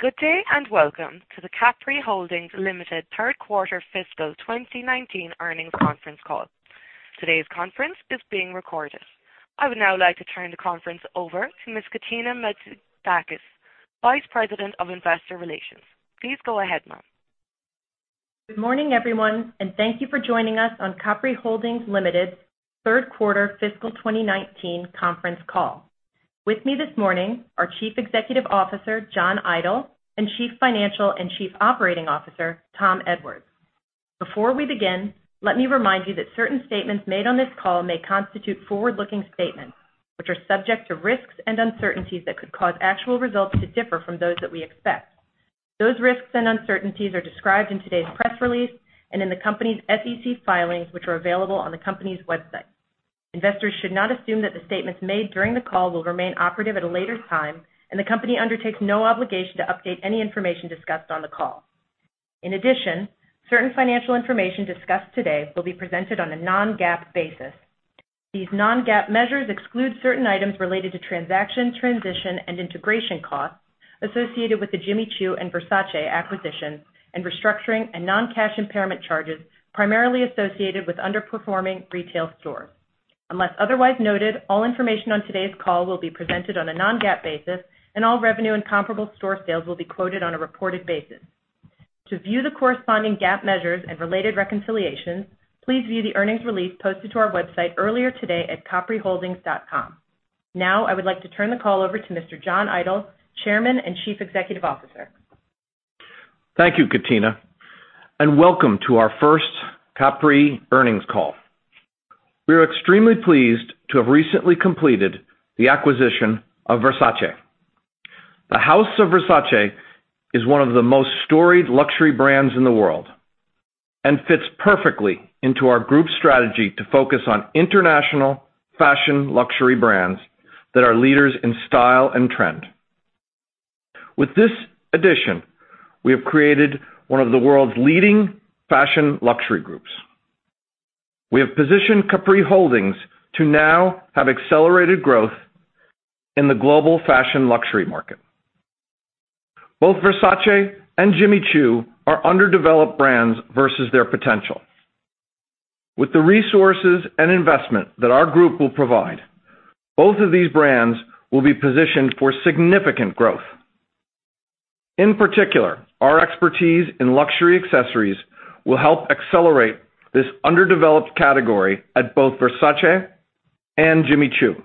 Good day, welcome to the Capri Holdings Limited third quarter fiscal 2019 earnings conference call. Today's conference is being recorded. I would now like to turn the conference over to Ms. Katina Metzidakis, Vice President of Investor Relations. Please go ahead, ma'am. Good morning, everyone, thank you for joining us on Capri Holdings Limited third quarter fiscal 2019 conference call. With me this morning, our Chief Executive Officer, John Idol, and Chief Financial and Chief Operating Officer, Tom Edwards. Before we begin, let me remind you that certain statements made on this call may constitute forward-looking statements, which are subject to risks and uncertainties that could cause actual results to differ from those that we expect. Those risks and uncertainties are described in today's press release and in the company's SEC filings, which are available on the company's website. Investors should not assume that the statements made during the call will remain operative at a later time, and the company undertakes no obligation to update any information discussed on the call. In addition, certain financial information discussed today will be presented on a non-GAAP basis. These non-GAAP measures exclude certain items related to transaction, transition, and integration costs associated with the Jimmy Choo and Versace acquisition, and restructuring and non-cash impairment charges primarily associated with underperforming retail stores. Unless otherwise noted, all information on today's call will be presented on a non-GAAP basis, and all revenue and comparable store sales will be quoted on a reported basis. To view the corresponding GAAP measures and related reconciliations, please view the earnings release posted to our website earlier today at capriholdings.com. I would like to turn the call over to Mr. John Idol, Chairman and Chief Executive Officer. Thank you, Katina, welcome to our first Capri earnings call. We are extremely pleased to have recently completed the acquisition of Versace. The House of Versace is one of the most storied luxury brands in the world and fits perfectly into our group strategy to focus on international fashion luxury brands that are leaders in style and trend. With this addition, we have created one of the world's leading fashion luxury groups. We have positioned Capri Holdings to now have accelerated growth in the global fashion luxury market. Both Versace and Jimmy Choo are underdeveloped brands versus their potential. With the resources and investment that our group will provide, both of these brands will be positioned for significant growth. In particular, our expertise in luxury accessories will help accelerate this underdeveloped category at both Versace and Jimmy Choo.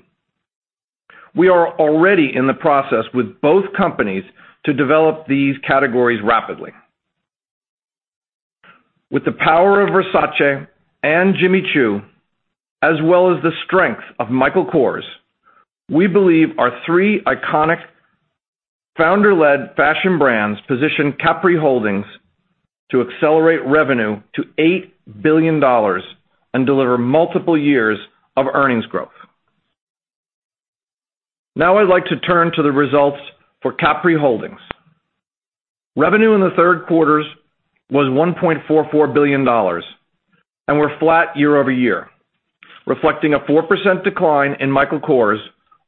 We are already in the process with both companies to develop these categories rapidly. With the power of Versace and Jimmy Choo, as well as the strength of Michael Kors, we believe our three iconic founder-led fashion brands position Capri Holdings to accelerate revenue to $8 billion and deliver multiple years of earnings growth. I'd like to turn to the results for Capri Holdings. Revenue in the third quarter was $1.44 billion and were flat year-over-year, reflecting a 4% decline in Michael Kors,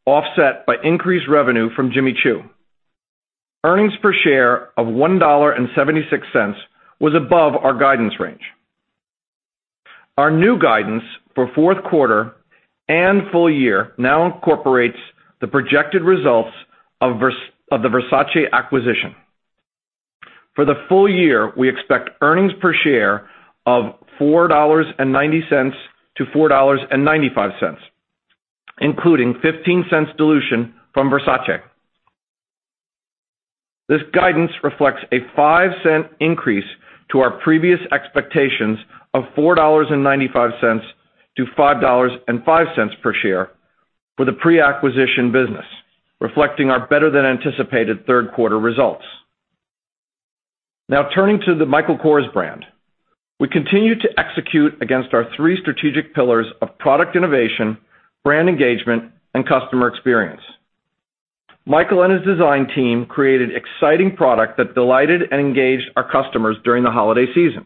offset by increased revenue from Jimmy Choo. Earnings per share of $1.76 was above our guidance range. Our new guidance for fourth quarter and full year now incorporates the projected results of the Versace acquisition. For the full year, we expect earnings per share of $4.90-$4.95, including $0.15 dilution from Versace. This guidance reflects a $0.05 increase to our previous expectations of $4.95-$5.05 per share for the pre-acquisition business, reflecting our better than anticipated third quarter results. Turning to the Michael Kors brand. We continue to execute against our three strategic pillars of product innovation, brand engagement, and customer experience. Michael and his design team created exciting product that delighted and engaged our customers during the holiday season.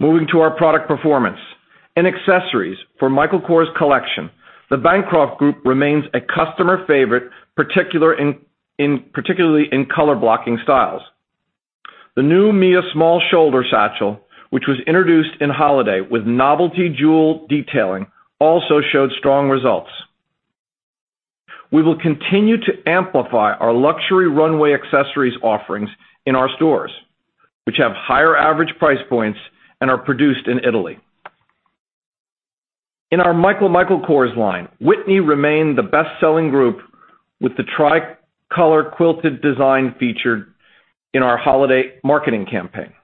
Moving to our product performance. In accessories for Michael Kors Collection, the Bancroft group remains a customer favorite, particularly in color blocking styles. The new Mia small shoulder satchel, which was introduced in holiday with novelty jewel detailing, also showed strong results. We will continue to amplify our luxury runway accessories offerings in our stores, which have higher average price points and are produced in Italy. In our MICHAEL Michael Kors line, Whitney remained the best-selling group with the tri-color quilted design featured in our holiday marketing campaign.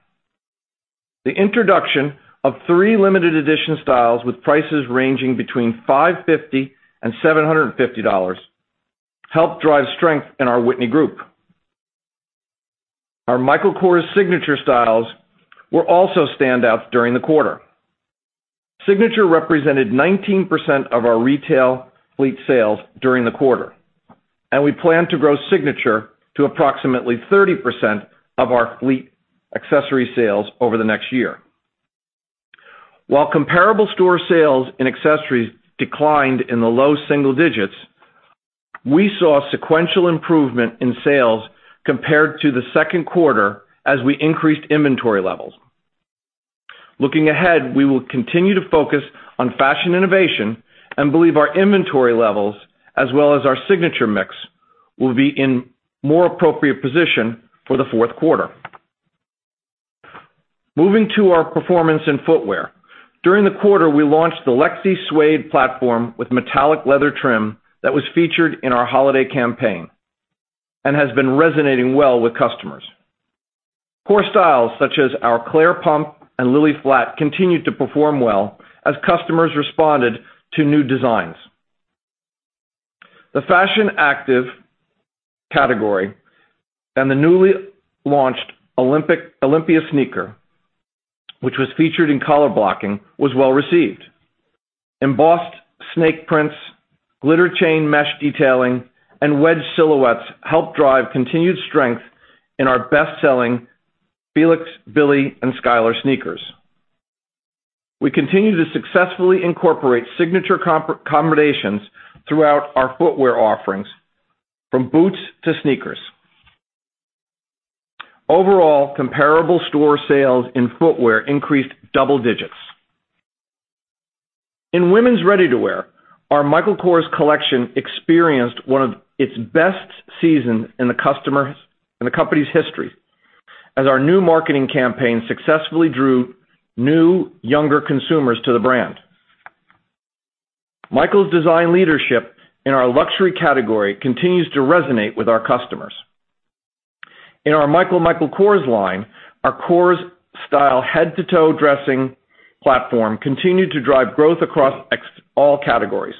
The introduction of three limited edition styles with prices ranging between $550-$750 helped drive strength in our Whitney group. Our Michael Kors signature styles were also standouts during the quarter. Signature represented 19% of our retail fleet sales during the quarter, and we plan to grow signature to approximately 30% of our fleet accessory sales over the next year. While comparable store sales in accessories declined in the low single digits, we saw sequential improvement in sales compared to the second quarter as we increased inventory levels. Looking ahead, we will continue to focus on fashion innovation and believe our inventory levels, as well as our signature mix, will be in more appropriate position for the fourth quarter. Moving to our performance in footwear. During the quarter, we launched the Lexi Suede platform with metallic leather trim that was featured in our holiday campaign and has been resonating well with customers. Core styles such as our Claire pump and Lillie flat continued to perform well as customers responded to new designs. The fashion active category and the newly launched Olympia sneaker, which was featured in color blocking, was well-received. Embossed snake prints, glitter chain mesh detailing, and wedge silhouettes helped drive continued strength in our best-selling Felix, Billie, and Skyler sneakers. We continue to successfully incorporate signature combinations throughout our footwear offerings, from boots to sneakers. Overall, comparable store sales in footwear increased double digits. In women's ready-to-wear, our Michael Kors Collection experienced one of its best seasons in the company's history as our new marketing campaign successfully drew new, younger consumers to the brand. Michael's design leadership in our luxury category continues to resonate with our customers. In our MICHAEL Michael Kors line, our Kors-style head-to-toe dressing platform continued to drive growth across all categories.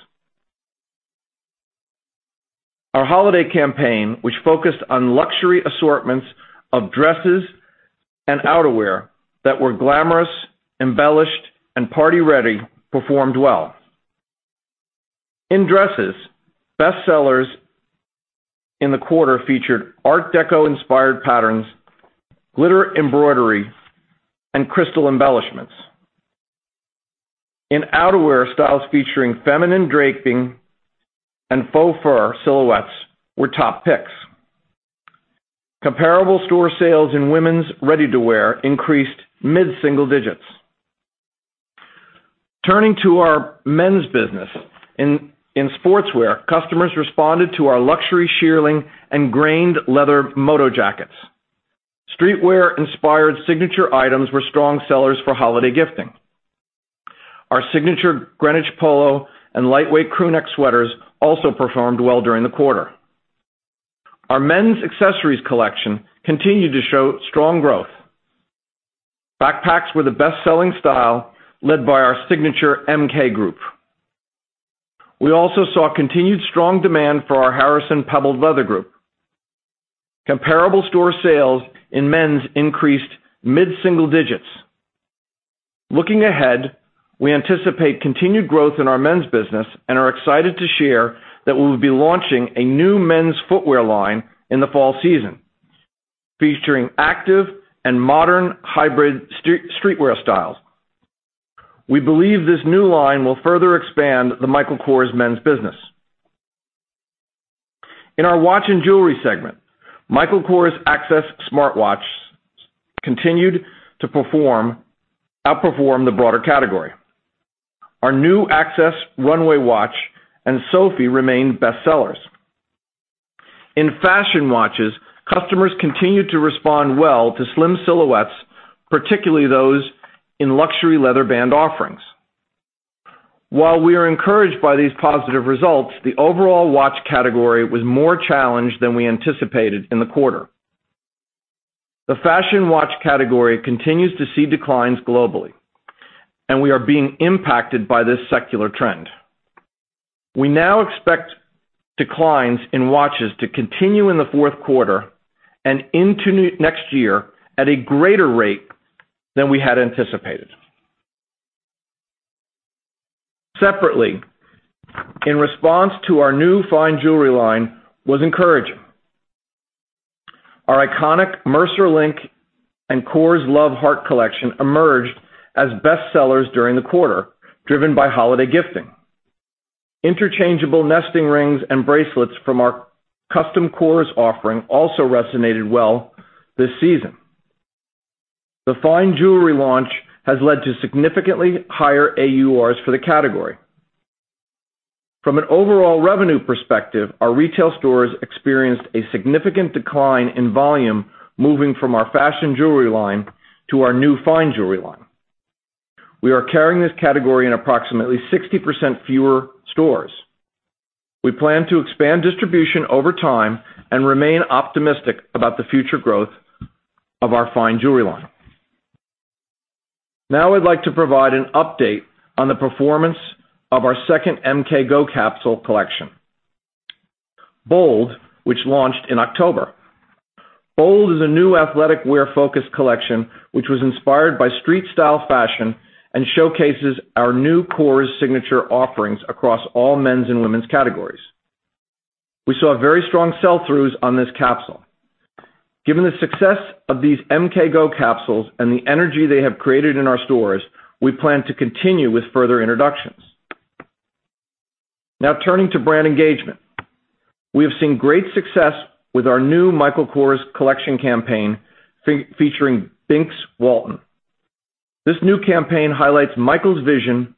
Our holiday campaign, which focused on luxury assortments of dresses and outerwear that were glamorous, embellished, and party-ready, performed well. In dresses, bestsellers in the quarter featured art deco-inspired patterns, glitter embroidery, and crystal embellishments. In outerwear, styles featuring feminine draping and faux fur silhouettes were top picks. Comparable store sales in women's ready-to-wear increased mid-single digits. Turning to our men's business. In sportswear, customers responded to our luxury shearling and grained leather moto jackets. Streetwear-inspired signature items were strong sellers for holiday gifting. Our signature Greenwich polo and lightweight crew neck sweaters also performed well during the quarter. Our men's accessories collection continued to show strong growth. Backpacks were the best-selling style, led by our signature MK group. We also saw continued strong demand for our Harrison pebbled leather group. Comparable store sales in men's increased mid-single digits. Looking ahead, we anticipate continued growth in our men's business and are excited to share that we'll be launching a new men's footwear line in the fall season, featuring active and modern hybrid streetwear styles. We believe this new line will further expand the Michael Kors Men's business. In our watch and jewelry segment, Michael Kors Access smartwatches continued to outperform the broader category. Our new Access Runway watch and Sofie remained bestsellers. In fashion watches, customers continued to respond well to slim silhouettes, particularly those in luxury leather band offerings. While we are encouraged by these positive results, the overall watch category was more challenged than we anticipated in the quarter. The fashion watch category continues to see declines globally, and we are being impacted by this secular trend. We now expect declines in watches to continue in the fourth quarter and into next year at a greater rate than we had anticipated. Separately, in response to our new fine jewelry line was encouraging. Our iconic Mercer Link and Kors Love Heart collection emerged as bestsellers during the quarter, driven by holiday gifting. Interchangeable nesting rings and bracelets from our custom Kors offering also resonated well this season. The fine jewelry launch has led to significantly higher AURs for the category. From an overall revenue perspective, our retail stores experienced a significant decline in volume moving from our fashion jewelry line to our new fine jewelry line. We are carrying this category in approximately 60% fewer stores. We plan to expand distribution over time and remain optimistic about the future growth of our fine jewelry line. Now I'd like to provide an update on the performance of our second MKGO capsule collection, Bold, which launched in October. Bold is a new athletic wear-focused collection, which was inspired by street style fashion and showcases our new Kors signature offerings across all men's and women's categories. We saw very strong sell-throughs on this capsule. Given the success of these MKGO capsules and the energy they have created in our stores, we plan to continue with further introductions. Now turning to brand engagement. We have seen great success with our new Michael Kors Collection campaign featuring Binx Walton. This new campaign highlights Michael's vision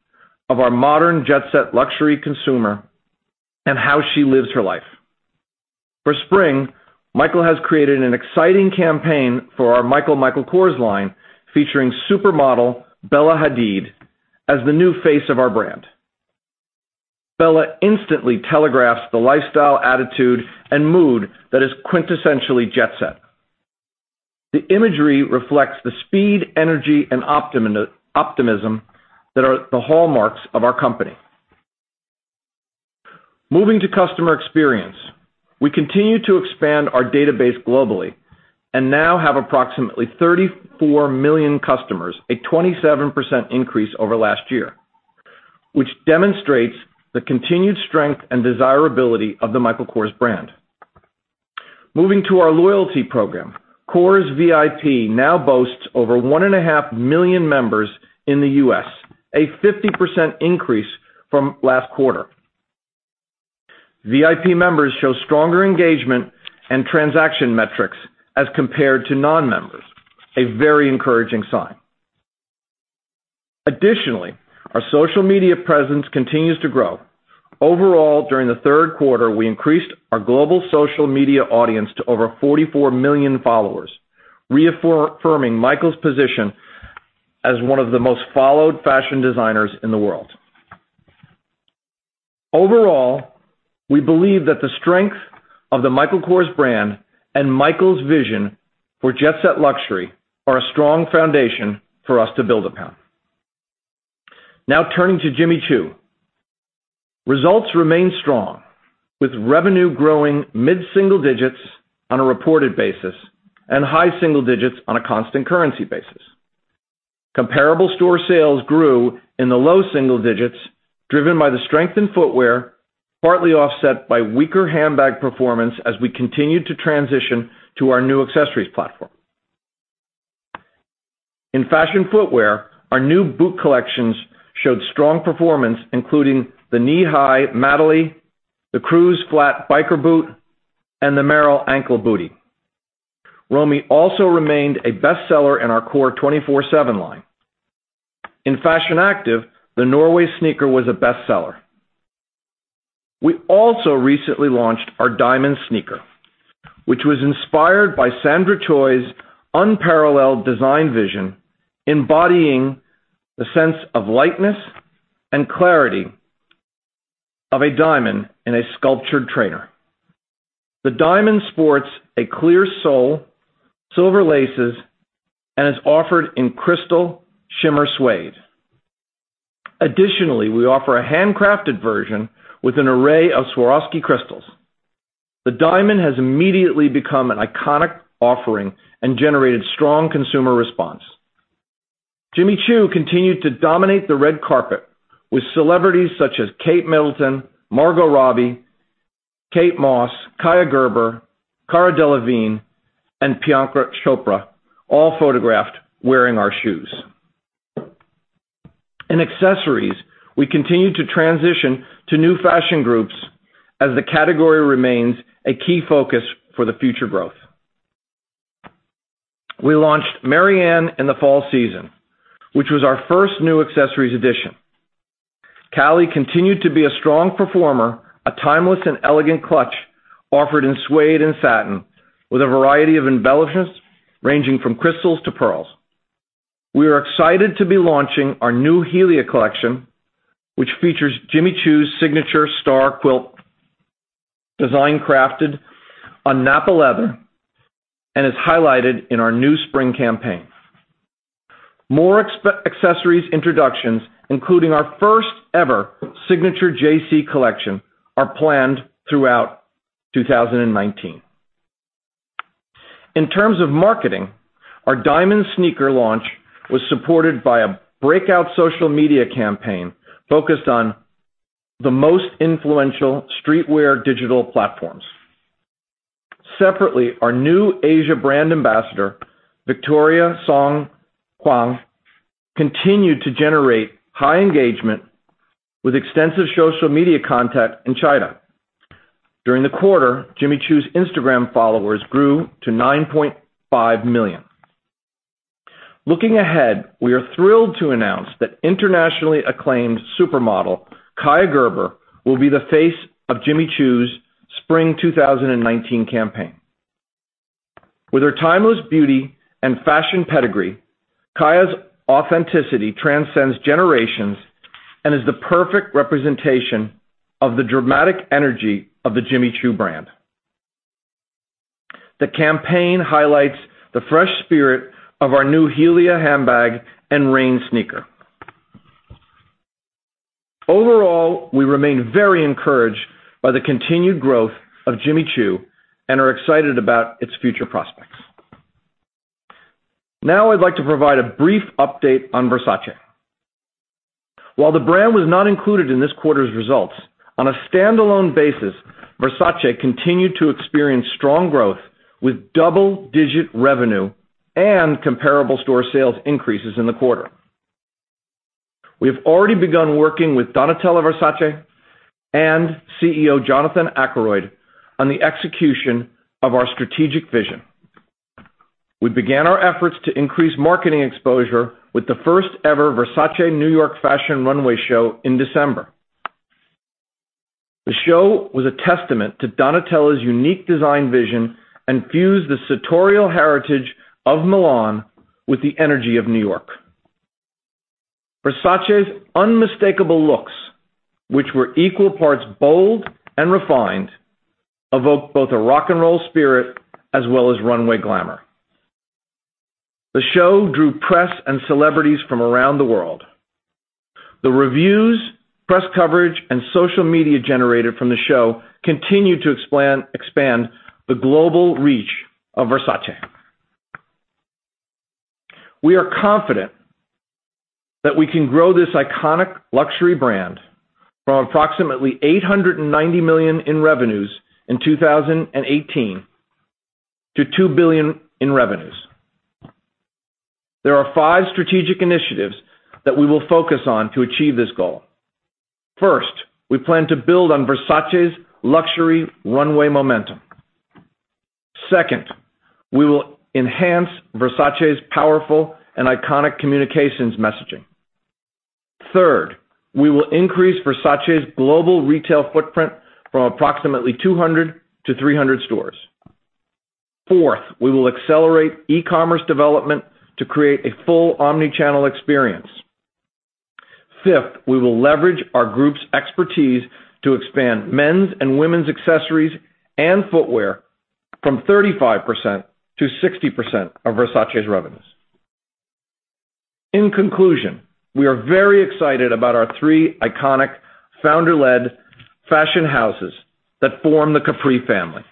of our modern jet-set luxury consumer and how she lives her life. For spring, Michael has created an exciting campaign for our MICHAEL Michael Kors line, featuring supermodel Bella Hadid as the new face of our brand. Bella instantly telegraphs the lifestyle, attitude, and mood that is quintessentially jet-set. The imagery reflects the speed, energy, and optimism that are the hallmarks of our company. Moving to customer experience. We continue to expand our database globally, now have approximately 34 million customers, a 27% increase over last year, which demonstrates the continued strength and desirability of the Michael Kors brand. Moving to our loyalty program, KORSVIP now boasts over 1.5 million members in the U.S., a 50% increase from last quarter. VIP members show stronger engagement and transaction metrics as compared to non-members. A very encouraging sign. Additionally, our social media presence continues to grow. Overall, during the third quarter, we increased our global social media audience to over 44 million followers, reaffirming Michael's position as one of the most-followed fashion designers in the world. Overall, we believe that the strength of the Michael Kors brand and Michael's vision for jet-set luxury are a strong foundation for us to build upon. Turning to Jimmy Choo. Results remain strong, with revenue growing mid-single digits on a reported basis and high single digits on a constant currency basis. Comparable store sales grew in the low single digits, driven by the strength in footwear, partly offset by weaker handbag performance as we continued to transition to our new accessories platform. In fashion footwear, our new boot collections showed strong performance, including the knee-high Madalie, the Cruise flat biker boot, and the Merril ankle bootie ankle bootie. Romy also remained a best-seller in our core 24/7 line. In fashion active, the Norway sneaker was a best-seller. We also recently launched our Diamond sneaker, which was inspired by Sandra Choi's unparalleled design vision, embodying the sense of lightness and clarity of a diamond in a sculptured trainer. The Diamond sports a clear sole, silver laces, and is offered in crystal shimmer suede. Additionally, we offer a handcrafted version with an array of Swarovski crystals. The Diamond has immediately become an iconic offering and generated strong consumer response. Jimmy Choo continued to dominate the red carpet with celebrities such as Kate Middleton, Margot Robbie, Kate Moss, Kaia Gerber, Cara Delevingne, and Priyanka Chopra, all photographed wearing our shoes. In accessories, we continued to transition to new fashion groups as the category remains a key focus for the future growth. We launched Marianne in the fall season, which was our first new accessories addition. Callie continued to be a strong performer, a timeless and elegant clutch offered in suede and satin with a variety of embellishments ranging from crystals to pearls. We are excited to be launching our new Helia collection, which features Jimmy Choo's signature star quilt design crafted on Nappa leather and is highlighted in our new spring campaign. More accessories introductions, including our first-ever signature JC collection, are planned throughout 2019. In terms of marketing, our Diamond sneaker launch was supported by a breakout social media campaign focused on the most influential streetwear digital platforms. Separately, our new Asia brand ambassador, Victoria Song Qian, continued to generate high engagement with extensive social media contact in China. During the quarter, Jimmy Choo's Instagram followers grew to 9.5 million. Looking ahead, we are thrilled to announce that internationally acclaimed supermodel Kaia Gerber will be the face of Jimmy Choo's spring 2019 campaign. With her timeless beauty and fashion pedigree, Kaia's authenticity transcends generations and is the perfect representation of the dramatic energy of the Jimmy Choo brand. The campaign highlights the fresh spirit of our new Helia handbag and Raine sneaker. Overall, we remain very encouraged by the continued growth of Jimmy Choo and are excited about its future prospects. I'd like to provide a brief update on Versace. While the brand was not included in this quarter's results, on a standalone basis, Versace continued to experience strong growth with double-digit revenue and comparable store sales increases in the quarter. We have already begun working with Donatella Versace and CEO Jonathan Akeroyd on the execution of our strategic vision. We began our efforts to increase marketing exposure with the first-ever Versace New York Fashion runway show in December. The show was a testament to Donatella's unique design vision and fused the sartorial heritage of Milan with the energy of New York. Versace's unmistakable looks, which were equal parts bold and refined, evoke both a rock and roll spirit as well as runway glamour. The show drew press and celebrities from around the world. The reviews, press coverage, and social media generated from the show continued to expand the global reach of Versace. We are confident that we can grow this iconic luxury brand from approximately $890 million in revenues in 2018 to $2 billion in revenues. There are five strategic initiatives that we will focus on to achieve this goal. First, we plan to build on Versace's luxury runway momentum. Second, we will enhance Versace's powerful and iconic communications messaging. Third, we will increase Versace's global retail footprint from approximately 200-300 stores. Fourth, we will accelerate e-commerce development to create a full omni-channel experience. Fifth, we will leverage our group's expertise to expand men's and women's accessories and footwear from 35%-60% of Versace's revenues. In conclusion, we are very excited about our three iconic founder-led fashion houses that form the Capri family.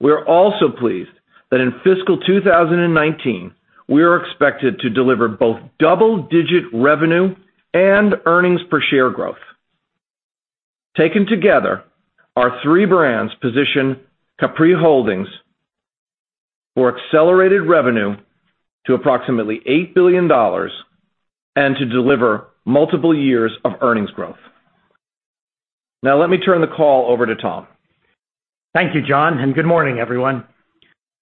We are also pleased that in fiscal 2019, we are expected to deliver both double-digit revenue and earnings per share growth. Taken together, our three brands position Capri Holdings for accelerated revenue to approximately $8 billion and to deliver multiple years of earnings growth. Let me turn the call over to Tom. Thank you, John, and good morning, everyone.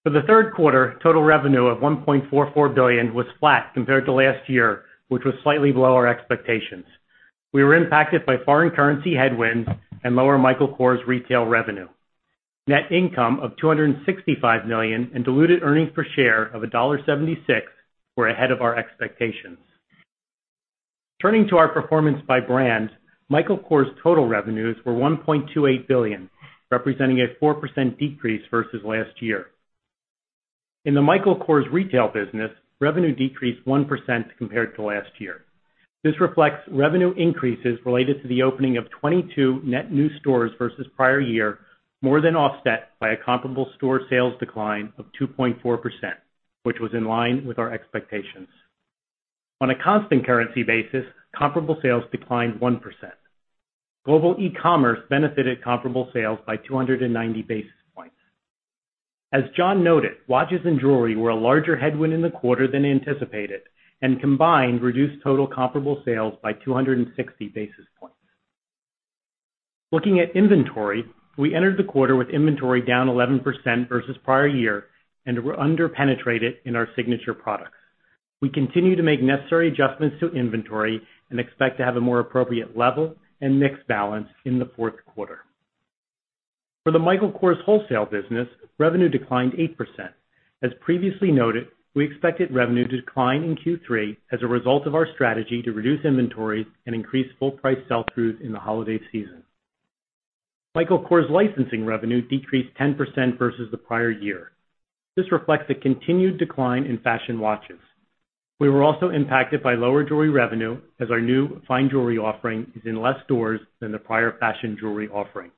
For the third quarter, total revenue of $1.44 billion was flat compared to last year, which was slightly below our expectations. We were impacted by foreign currency headwinds and lower Michael Kors retail revenue. Net income of $265 million and diluted earnings per share of $1.76 were ahead of our expectations. Turning to our performance by brand, Michael Kors total revenues were $1.28 billion, representing a 4% decrease versus last year. In the Michael Kors retail business, revenue decreased 1% compared to last year. This reflects revenue increases related to the opening of 22 net new stores versus prior year, more than offset by a comparable store sales decline of 2.4%, which was in line with our expectations. On a constant currency basis, comparable sales declined 1%. Global e-commerce benefited comparable sales by 290 basis points. As John noted, watches and jewelry were a larger headwind in the quarter than anticipated and combined reduced total comparable sales by 260 basis points. Looking at inventory, we entered the quarter with inventory down 11% versus prior year and were under-penetrated in our signature products. We continue to make necessary adjustments to inventory and expect to have a more appropriate level and mix balance in the fourth quarter. For the Michael Kors wholesale business, revenue declined 8%. As previously noted, we expected revenue to decline in Q3 as a result of our strategy to reduce inventory and increase full price sell-throughs in the holiday season. Michael Kors licensing revenue decreased 10% versus the prior year. This reflects a continued decline in fashion watches. We were also impacted by lower jewelry revenue as our new fine jewelry offering is in less stores than the prior fashion jewelry offering.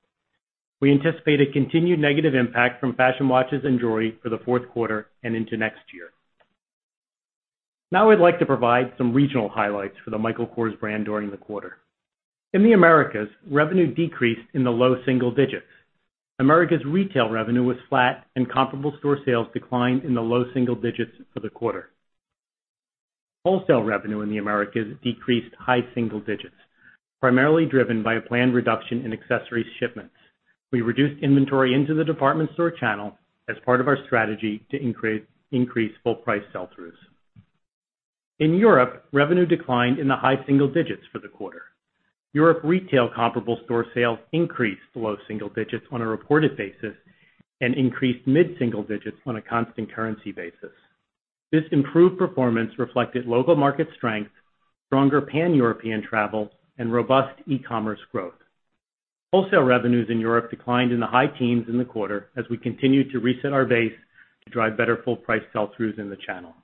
We anticipate a continued negative impact from fashion watches and jewelry for the fourth quarter and into next year. Now I'd like to provide some regional highlights for the Michael Kors brand during the quarter. In the Americas, revenue decreased in the low single digits. Americas retail revenue was flat and comparable store sales declined in the low single digits for the quarter. Wholesale revenue in the Americas decreased high single digits, primarily driven by a planned reduction in accessories shipments. We reduced inventory into the department store channel as part of our strategy to increase full price sell-throughs. In Europe, revenue declined in the high single digits for the quarter. Europe retail comparable store sales increased low single digits on a reported basis and increased mid-single digits on a constant currency basis. This improved performance reflected local market strength, stronger pan-European travel, and robust e-commerce growth. Wholesale revenues in Europe declined in the high teens in the quarter as we continued to reset our base to drive better full price sell-throughs in the channel.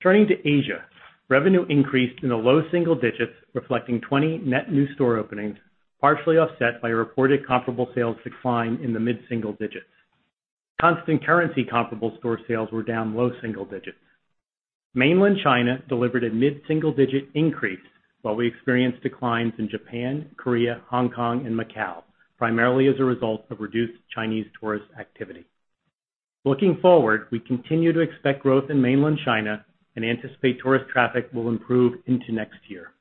Turning to Asia, revenue increased in the low single digits, reflecting 20 net new store openings, partially offset by a reported comparable sales decline in the mid single digits. Constant currency comparable store sales were down low single digits. Mainland China delivered a mid-single-digit increase, while we experienced declines in Japan, Korea, Hong Kong, and Macau, primarily as a result of reduced Chinese tourist activity. Looking forward, we continue to expect growth in Mainland China and anticipate tourist traffic will improve into next year.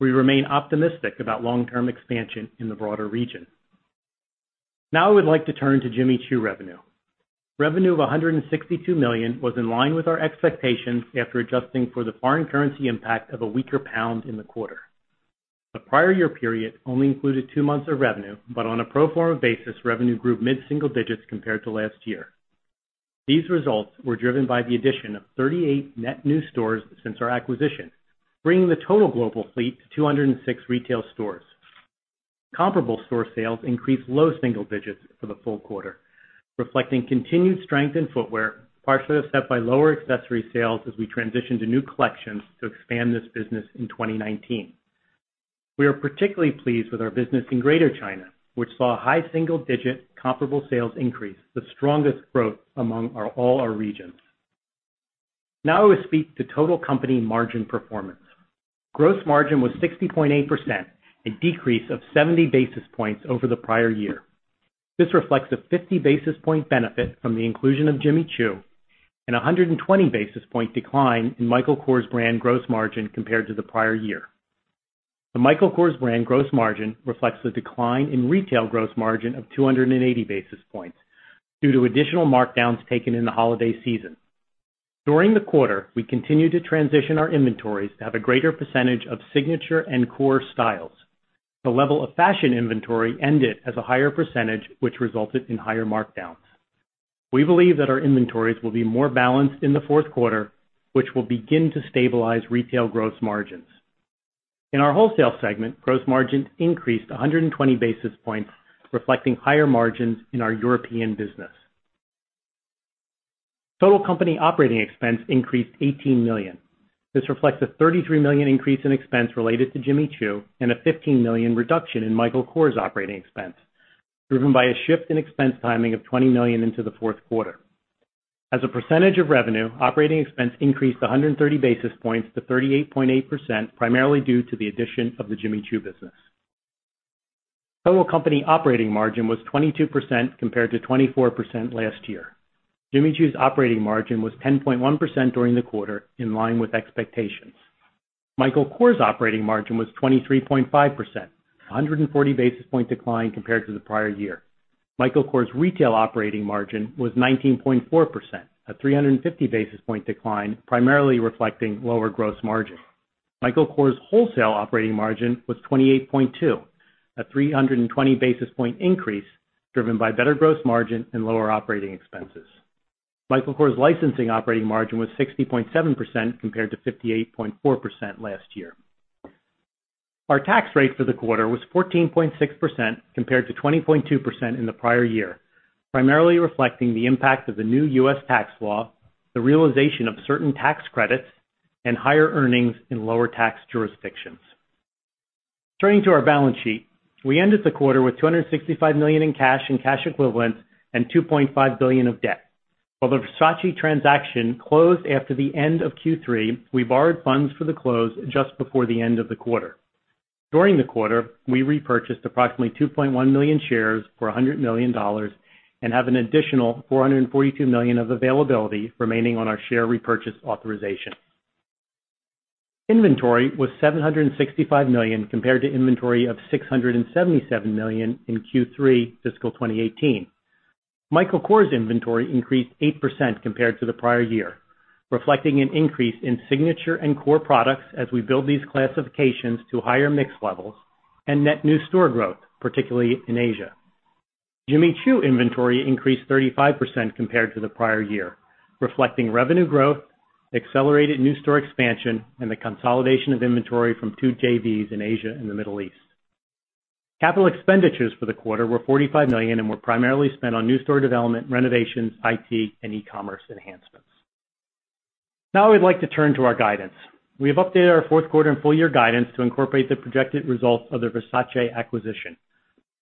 We remain optimistic about long-term expansion in the broader region. Now I would like to turn to Jimmy Choo revenue. Revenue of $162 million was in line with our expectations after adjusting for the foreign currency impact of a weaker pound in the quarter. The prior year period only included two months of revenue, but on a pro forma basis, revenue grew mid-single digits compared to last year. These results were driven by the addition of 38 net new stores since our acquisition, bringing the total global fleet to 206 retail stores. Comparable store sales increased low single digits for the full quarter, reflecting continued strength in footwear, partially offset by lower accessory sales as we transition to new collections to expand this business in 2019. We are particularly pleased with our business in Greater China, which saw high single-digit comparable sales increase, the strongest growth among all our regions. Now I will speak to total company margin performance. Gross margin was 60.8%, a decrease of 70 basis points over the prior year. This reflects a 50-basis-point benefit from the inclusion of Jimmy Choo and a 120 basis-point decline in Michael Kors brand gross margin compared to the prior year. The Michael Kors brand gross margin reflects the decline in retail gross margin of 280 basis points due to additional markdowns taken in the holiday season. During the quarter, we continued to transition our inventories to have a greater percentage of signature and core styles. The level of fashion inventory ended as a higher percentage, which resulted in higher markdowns. We believe that our inventories will be more balanced in the fourth quarter, which will begin to stabilize retail gross margins. In our wholesale segment, gross margin increased 120 basis points, reflecting higher margins in our European business. Total company operating expense increased $18 million. This reflects a $33 million increase in expense related to Jimmy Choo and a $15 million reduction in Michael Kors operating expense, driven by a shift in expense timing of $20 million into the fourth quarter. As a percentage of revenue, operating expense increased 130 basis points to 38.8%, primarily due to the addition of the Jimmy Choo business. Total company operating margin was 22% compared to 24% last year. Jimmy Choo's operating margin was 10.1% during the quarter, in line with expectations. Michael Kors' operating margin was 23.5%, a 140 basis-point decline compared to the prior year. Michael Kors' retail operating margin was 19.4%, a 350 basis-point decline, primarily reflecting lower gross margin. Michael Kors' wholesale operating margin was 28.2%, a 320 basis-point increase driven by better gross margin and lower operating expenses. Michael Kors' licensing operating margin was 60.7% compared to 58.4% last year. Our tax rate for the quarter was 14.6% compared to 20.2% in the prior year, primarily reflecting the impact of the new U.S. tax law, the realization of certain tax credits, and higher earnings in lower tax jurisdictions. Turning to our balance sheet, we ended the quarter with $265 million in cash and cash equivalents and $2.5 billion of debt. While the Versace transaction closed after the end of Q3, we borrowed funds for the close just before the end of the quarter. During the quarter, we repurchased approximately 2.1 million shares for $100 million and have an additional $442 million of availability remaining on our share repurchase authorization. Inventory was $765 million compared to inventory of $677 million in Q3 fiscal 2018. Michael Kors inventory increased 8% compared to the prior year, reflecting an increase in signature and core products as we build these classifications to higher mix levels and net new store growth, particularly in Asia. Jimmy Choo inventory increased 35% compared to the prior year, reflecting revenue growth, accelerated new store expansion, and the consolidation of inventory from two JVs in Asia and the Middle East. Capital expenditures for the quarter were $45 million and were primarily spent on new store development, renovations, IT, and e-commerce enhancements. Now I would like to turn to our guidance. We have updated our fourth quarter and full year guidance to incorporate the projected results of the Versace acquisition.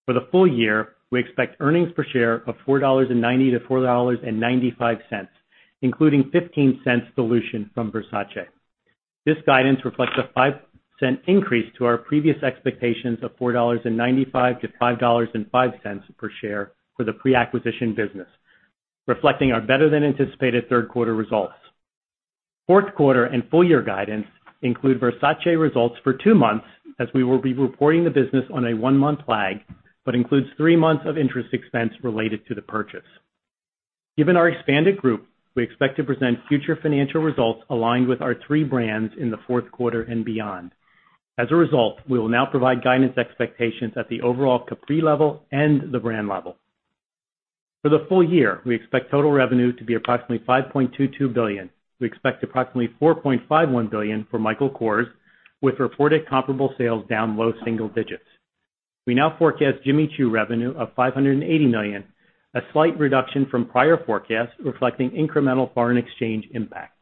For the full year, we expect earnings per share of $4.90-$4.95, including $0.15 dilution from Versace. This guidance reflects a $0.05 increase to our previous expectations of $4.95-$5.05 per share for the pre-acquisition business, reflecting our better-than-anticipated third quarter results. Fourth quarter and full year guidance include Versace results for two months, as we will be reporting the business on a one-month lag, but includes three months of interest expense related to the purchase. Given our expanded group, we expect to present future financial results aligned with our three brands in the fourth quarter and beyond. As a result, we will now provide guidance expectations at the overall Capri level and the brand level. For the full year, we expect total revenue to be approximately $5.22 billion. We expect approximately $4.51 billion for Michael Kors, with reported comparable sales down low single digits. We now forecast Jimmy Choo revenue of $580 million, a slight reduction from prior forecasts, reflecting incremental foreign exchange impact.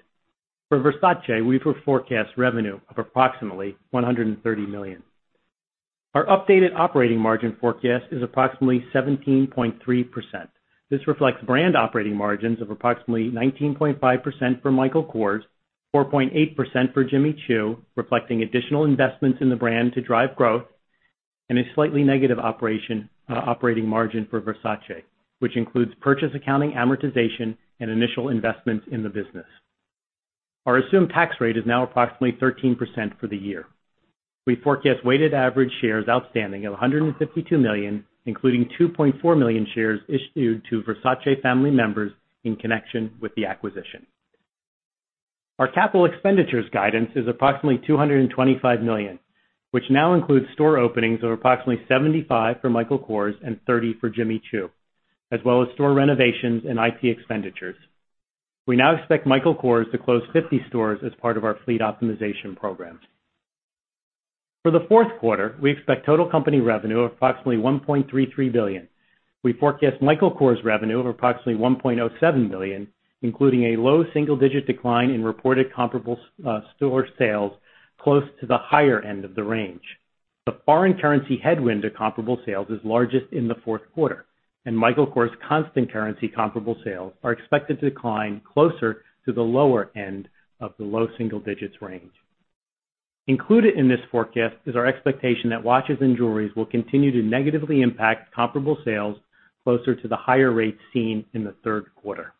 For Versace, we forecast revenue of approximately $130 million. Our updated operating margin forecast is approximately 17.3%. This reflects brand operating margins of approximately 19.5% for Michael Kors, 4.8% for Jimmy Choo, reflecting additional investments in the brand to drive growth, and a slightly negative operating margin for Versace, which includes purchase accounting amortization and initial investments in the business. Our assumed tax rate is now approximately 13% for the year. We forecast weighted average shares outstanding of 152 million, including 2.4 million shares issued to Versace family members in connection with the acquisition. Our capital expenditures guidance is approximately $225 million, which now includes store openings of approximately 75 for Michael Kors and 30 for Jimmy Choo, as well as store renovations and IT expenditures. We now expect Michael Kors to close 50 stores as part of our fleet optimization programs. For the fourth quarter, we expect total company revenue of approximately $1.33 billion. We forecast Michael Kors' revenue of approximately $1.07 billion, including a low double-digit decline in reported comparable store sales close to the higher end of the range. The foreign currency headwind to comparable sales is largest in the fourth quarter, and Michael Kors' constant currency comparable sales are expected to decline closer to the lower end of the low double digits range. Included in this forecast is our expectation that watches and jewelry will continue to negatively impact comparable sales closer to the higher rates seen in the third quarter.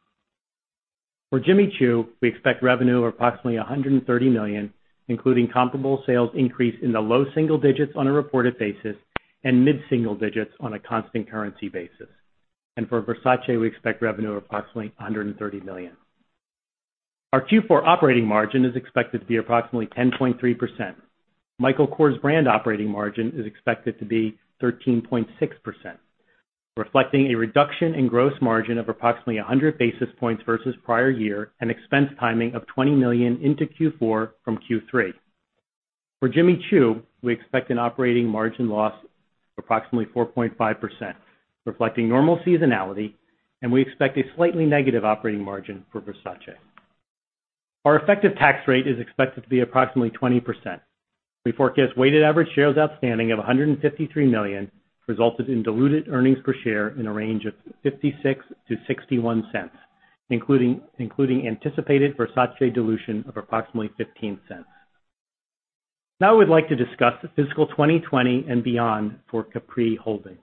For Jimmy Choo, we expect revenue of approximately $130 million, including comparable sales increase in the low single digits on a reported basis and mid-single digits on a constant currency basis. For Versace, we expect revenue of approximately $130 million. Our Q4 operating margin is expected to be approximately 10.3%. Michael Kors' brand operating margin is expected to be 13.6%, reflecting a reduction in gross margin of approximately 100 basis points versus prior year and expense timing of $20 million into Q4 from Q3. For Jimmy Choo, we expect an operating margin loss of approximately 4.5%, reflecting normal seasonality, and we expect a slightly negative operating margin for Versace. Our effective tax rate is expected to be approximately 20%. We forecast weighted average shares outstanding of 153 million, resulting in diluted earnings per share in a range of $0.56-$0.61, including anticipated Versace dilution of approximately $0.15. We'd like to discuss the fiscal 2020 and beyond for Capri Holdings.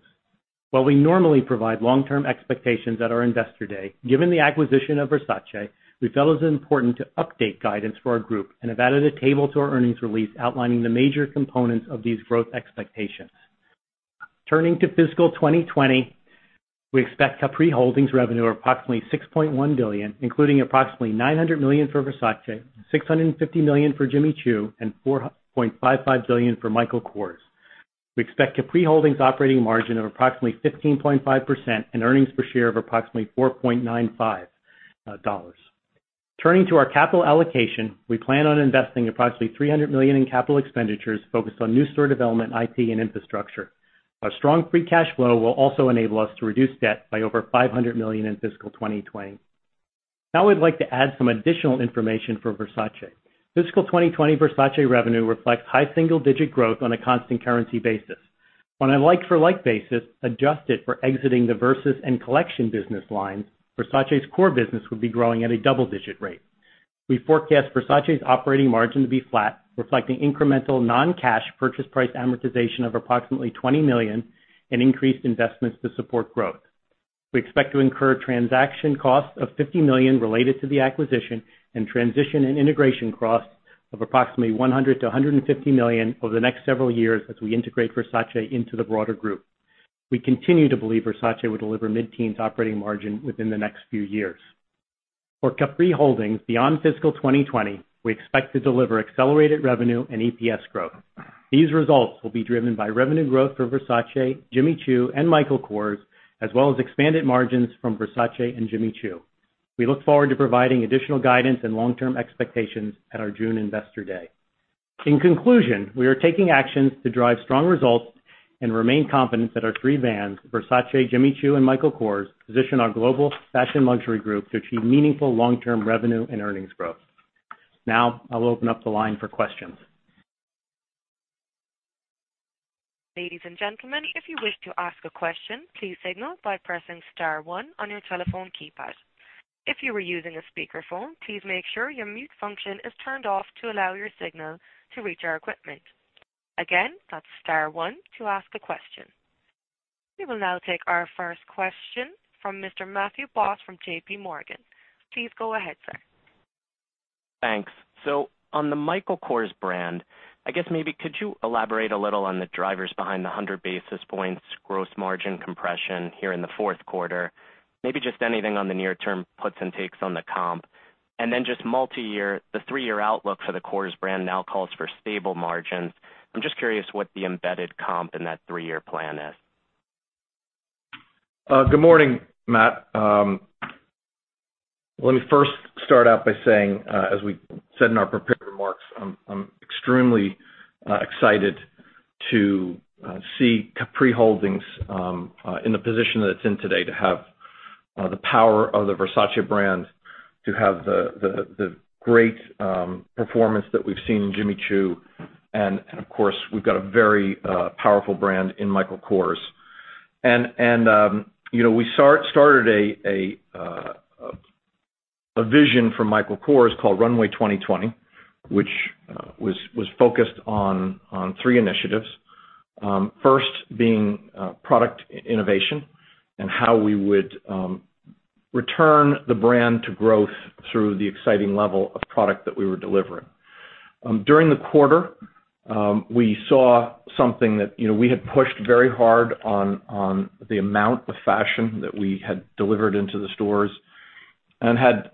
While we normally provide long-term expectations at our Investor Day, given the acquisition of Versace, we felt it was important to update guidance for our group and have added a table to our earnings release outlining the major components of these growth expectations. Turning to fiscal 2020, we expect Capri Holdings revenue of approximately $6.1 billion, including approximately $900 million for Versace, $650 million for Jimmy Choo, and $4.55 billion for Michael Kors. We expect Capri Holdings operating margin of approximately 15.5% and earnings per share of approximately $4.95. Turning to our capital allocation, we plan on investing approximately $300 million in capital expenditures focused on new store development, IT, and infrastructure. Our strong free cash flow will also enable us to reduce debt by over $500 million in fiscal 2020. Now I'd like to add some additional information for Versace. Fiscal 2020 Versace revenue reflects high single-digit growth on a constant currency basis. On a like-for-like basis, adjusted for exiting the Versus and Versace Collection business lines, Versace's core business would be growing at a double-digit rate. We forecast Versace's operating margin to be flat, reflecting incremental non-cash purchase price amortization of approximately $20 million and increased investments to support growth. We expect to incur transaction costs of $50 million related to the acquisition and transition and integration costs of approximately $100 million-$150 million over the next several years as we integrate Versace into the broader group. We continue to believe Versace will deliver mid-teens operating margin within the next few years. For Capri Holdings beyond fiscal 2020, we expect to deliver accelerated revenue and EPS growth. These results will be driven by revenue growth for Versace, Jimmy Choo and Michael Kors, as well as expanded margins from Versace and Jimmy Choo. We look forward to providing additional guidance and long-term expectations at our June Investor Day. In conclusion, we are taking actions to drive strong results and remain confident that our three brands, Versace, Jimmy Choo and Michael Kors, position our global fashion luxury group to achieve meaningful long-term revenue and earnings growth. Now, I will open up the line for questions. Ladies and gentlemen, if you wish to ask a question, please signal by pressing star one on your telephone keypad. If you are using a speakerphone, please make sure your mute function is turned off to allow your signal to reach our equipment. Again, that's star one to ask a question. We will now take our first question from Mr. Matthew Boss from JPMorgan. Please go ahead, sir. Thanks. On the Michael Kors brand, I guess maybe could you elaborate a little on the drivers behind the 100 basis points gross margin compression here in the fourth quarter? Maybe just anything on the near term puts and takes on the comp. Just multi-year, the three-year outlook for the Kors brand now calls for stable margins. I'm just curious what the embedded comp in that three-year plan is. Good morning, Matt. Let me first start out by saying, as we said in our prepared remarks, I'm extremely excited to see Capri Holdings in the position that it's in today to have the power of the Versace brand, to have the great performance that we've seen in Jimmy Choo, of course, we've got a very powerful brand in Michael Kors. We started a vision for Michael Kors called Runway 2020, which was focused on three initiatives. First being product innovation and how we would return the brand to growth through the exciting level of product that we were delivering. During the quarter, we saw something that we had pushed very hard on the amount of fashion that we had delivered into the stores and had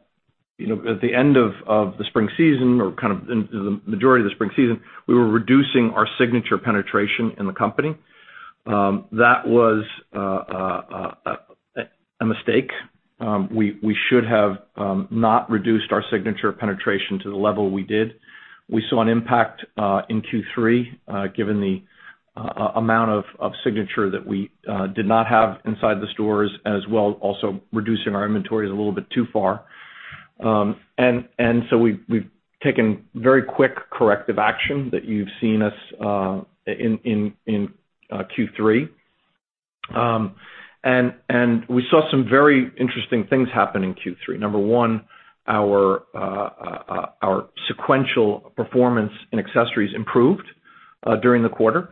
at the end of the spring season or the majority of the spring season, we were reducing our signature penetration in the company. That was a mistake. We should have not reduced our signature penetration to the level we did. We saw an impact in Q3, given the amount of signature that we did not have inside the stores, as well as also reducing our inventories a little bit too far. We've taken very quick corrective action that you've seen us in Q3. We saw some very interesting things happen in Q3. Number one, our sequential performance and accessories improved during the quarter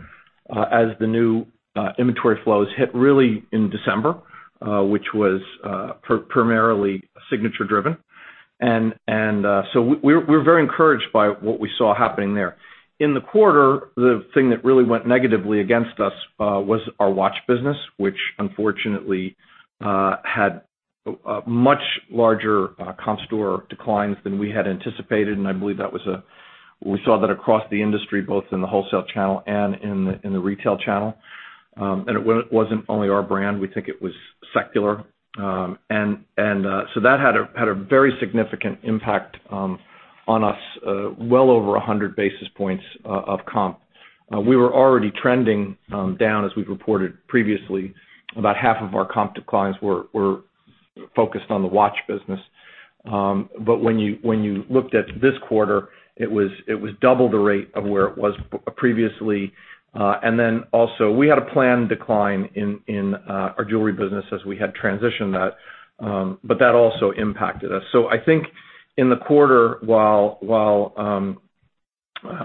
as the new inventory flows hit really in December, which was primarily signature driven. We're very encouraged by what we saw happening there. In the quarter, the thing that really went negatively against us was our watch business, which unfortunately, had much larger comp store declines than we had anticipated, and I believe we saw that across the industry, both in the wholesale channel and in the retail channel. It wasn't only our brand. We think it was secular. That had a very significant impact on us, well over 100 basis points of comp. We were already trending down, as we've reported previously. About half of our comp declines were focused on the watch business. When you looked at this quarter, it was double the rate of where it was previously. Also, we had a planned decline in our jewelry business as we had transitioned that, but that also impacted us. I think in the quarter, while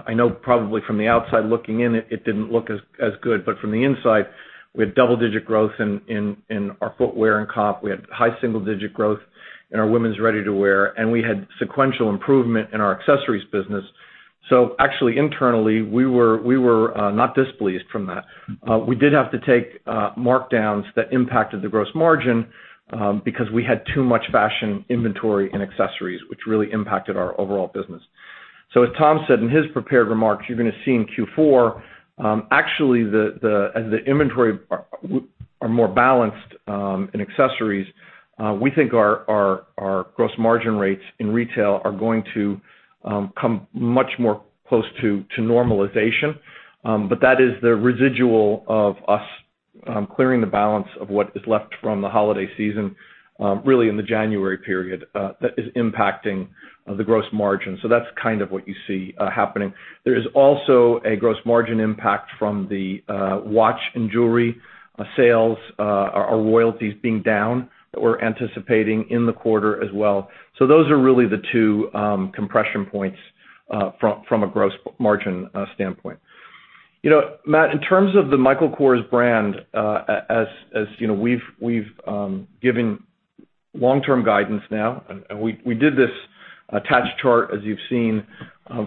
I know probably from the outside looking in, it didn't look as good, but from the inside, we had double-digit growth in our footwear and comp. We had high single-digit growth in our women's ready-to-wear, we had sequential improvement in our accessories business. Actually internally, we were not displeased from that. We did have to take markdowns that impacted the gross margin because we had too much fashion inventory and accessories, which really impacted our overall business. As Tom said in his prepared remarks, you're going to see in Q4, actually as the inventory are more balanced in accessories, we think our gross margin rates in retail are going to come much more close to normalization. That is the residual of us clearing the balance of what is left from the holiday season, really in the January period, that is impacting the gross margin. That's what you see happening. There is also a gross margin impact from the watch and jewelry sales, our royalties being down that we're anticipating in the quarter as well. Those are really the two compression points from a gross margin standpoint. Matt, in terms of the Michael Kors brand, as we've given long-term guidance now, we did this attached chart as you've seen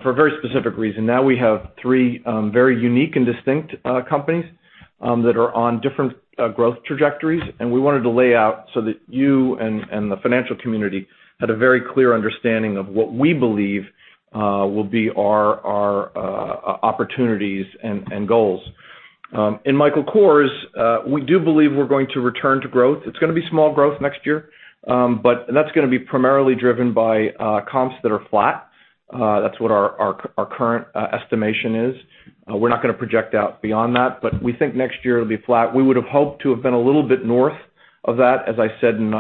for a very specific reason. We have three very unique and distinct companies that are on different growth trajectories, we wanted to lay out so that you and the financial community had a very clear understanding of what we believe will be our opportunities and goals. In Michael Kors, we do believe we're going to return to growth. It's going to be small growth next year, but that's going to be primarily driven by comps that are flat. That's what our current estimation is. We're not going to project out beyond that, but we think next year it'll be flat. We would have hoped to have been a little bit north of that, as I said in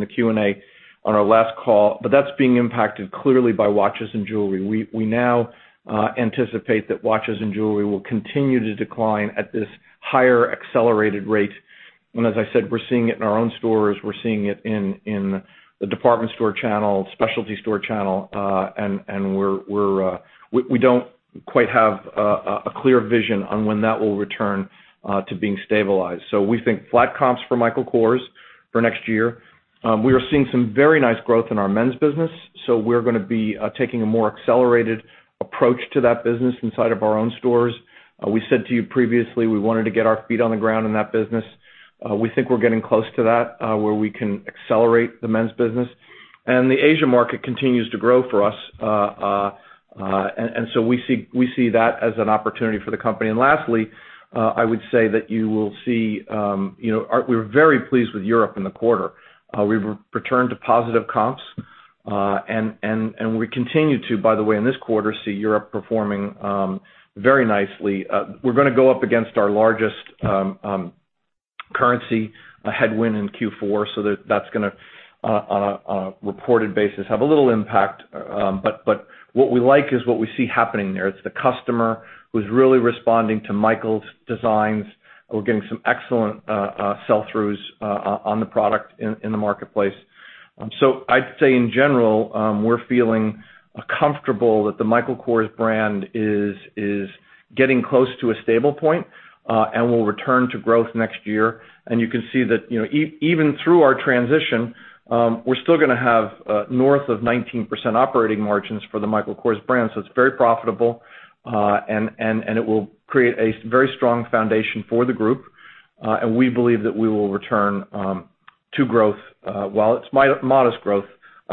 the Q&A on our last call, but that's being impacted clearly by watches and jewelry. We now anticipate that watches and jewelry will continue to decline at this higher accelerated rate. As I said, we're seeing it in our own stores. We're seeing it in the department store channel, specialty store channel, we don't quite have a clear vision on when that will return to being stabilized. We think flat comps for Michael Kors for next year. We are seeing some very nice growth in our men's business, we're going to be taking a more accelerated approach to that business inside of our own stores. We said to you previously, we wanted to get our feet on the ground in that business. We think we're getting close to that, where we can accelerate the men's business. The Asia market continues to grow for us. We see that as an opportunity for the company. Lastly, I would say that you will see, we were very pleased with Europe in the quarter. We've returned to positive comps. We continue to, by the way, in this quarter, see Europe performing very nicely. We're going to go up against our largest currency headwind in Q4, that's going to, on a reported basis, have a little impact. What we like is what we see happening there. It's the customer who's really responding to Michael's designs. We're getting some excellent sell-throughs on the product in the marketplace. I'd say in general, we're feeling comfortable that the Michael Kors brand is getting close to a stable point, and will return to growth next year. You can see that even through our transition, we're still going to have north of 19% operating margins for the Michael Kors brand. It's very profitable. It will create a very strong foundation for the group. We believe that we will return to growth, while it's modest growth,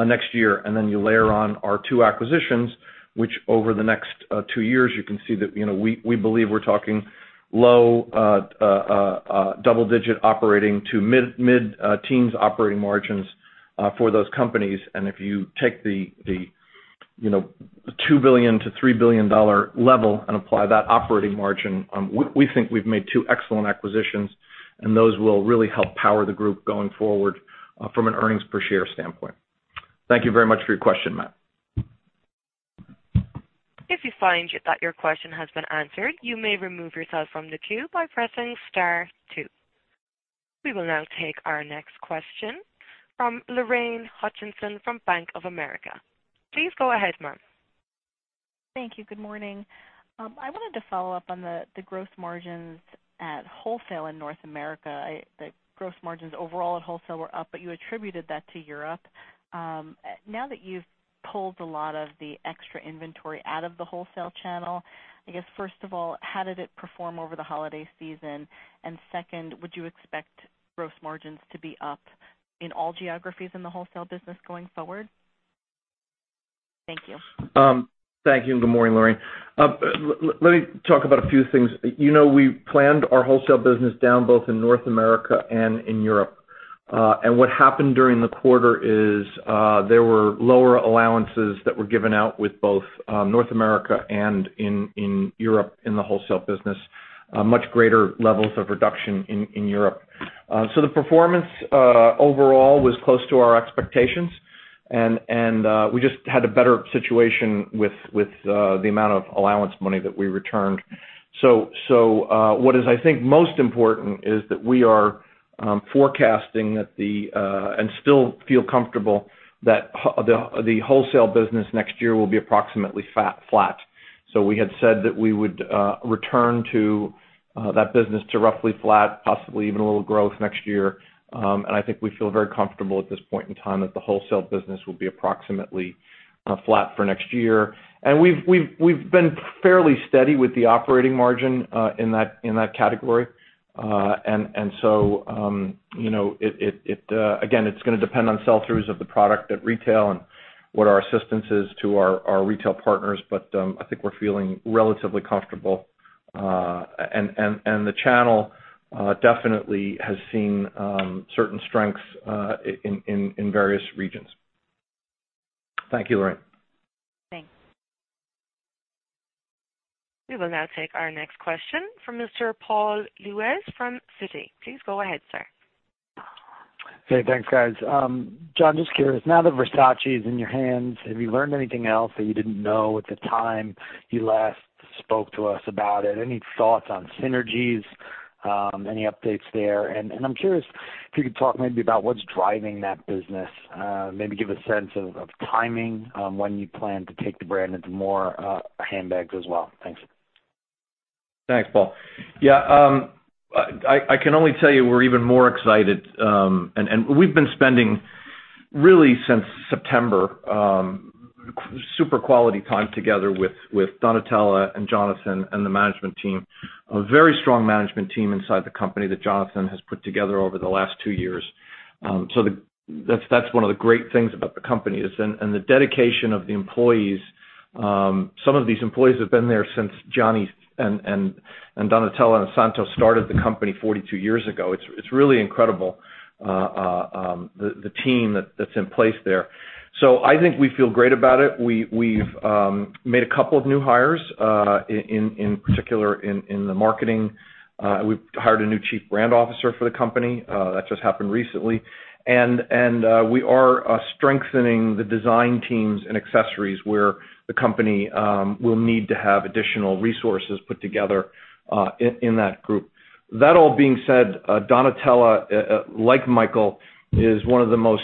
next year. You layer on our two acquisitions, which over the next two years, you can see that we believe we're talking low double-digit operating to mid teens operating margins for those companies. If you take the $2 billion-$3 billion level and apply that operating margin, we think we've made two excellent acquisitions, and those will really help power the group going forward from an earnings per share standpoint. Thank you very much for your question, Matt. If you find that your question has been answered, you may remove yourself from the queue by pressing star two. We will now take our next question from Lorraine Hutchinson from Bank of America. Please go ahead, ma'am. Thank you. Good morning. I wanted to follow up on the growth margins at wholesale in North America. The growth margins overall at wholesale were up, you attributed that to Europe. Now that you've pulled a lot of the extra inventory out of the wholesale channel, I guess first of all, how did it perform over the holiday season? Second, would you expect growth margins to be up in all geographies in the wholesale business going forward? Thank you. Thank you, and good morning, Lorraine. You know we planned our wholesale business down both in North America and in Europe. What happened during the quarter is, there were lower allowances that were given out with both North America and in Europe in the wholesale business. Much greater levels of reduction in Europe. The performance overall was close to our expectations, and we just had a better situation with the amount of allowance money that we returned. What is I think most important is that we are forecasting and still feel comfortable that the wholesale business next year will be approximately flat. We had said that we would return to that business to roughly flat, possibly even a little growth next year. I think we feel very comfortable at this point in time that the wholesale business will be approximately flat for next year. We've been fairly steady with the operating margin in that category. Again, it's going to depend on sell-throughs of the product at retail and what our assistance is to our retail partners. I think we're feeling relatively comfortable. The channel definitely has seen certain strengths in various regions. Thank you, Lorraine. Thanks. We will now take our next question from Mr. Paul Lejuez from Citi. Please go ahead, sir. Hey, thanks, guys. John, just curious, now that Versace is in your hands, have you learned anything else that you didn't know at the time you last spoke to us about it? Any thoughts on synergies? Any updates there? I'm curious if you could talk maybe about what's driving that business. Maybe give a sense of timing on when you plan to take the brand into more handbags as well. Thanks. Thanks, Paul. Yeah. I can only tell you we're even more excited. We've been spending, really since September, super quality time together with Donatella and Jonathan and the management team, a very strong management team inside the company that Jonathan has put together over the last two years. That's one of the great things about the company. The dedication of the employees, some of these employees have been there since Gianni and Donatella and Santo started the company 42 years ago. It's really incredible, the team that's in place there. I think we feel great about it. We've made a couple of new hires, in particular in the marketing. We've hired a new chief brand officer for the company. That just happened recently. We are strengthening the design teams and accessories where the company will need to have additional resources put together in that group. That all being said, Donatella, like Michael, is one of the most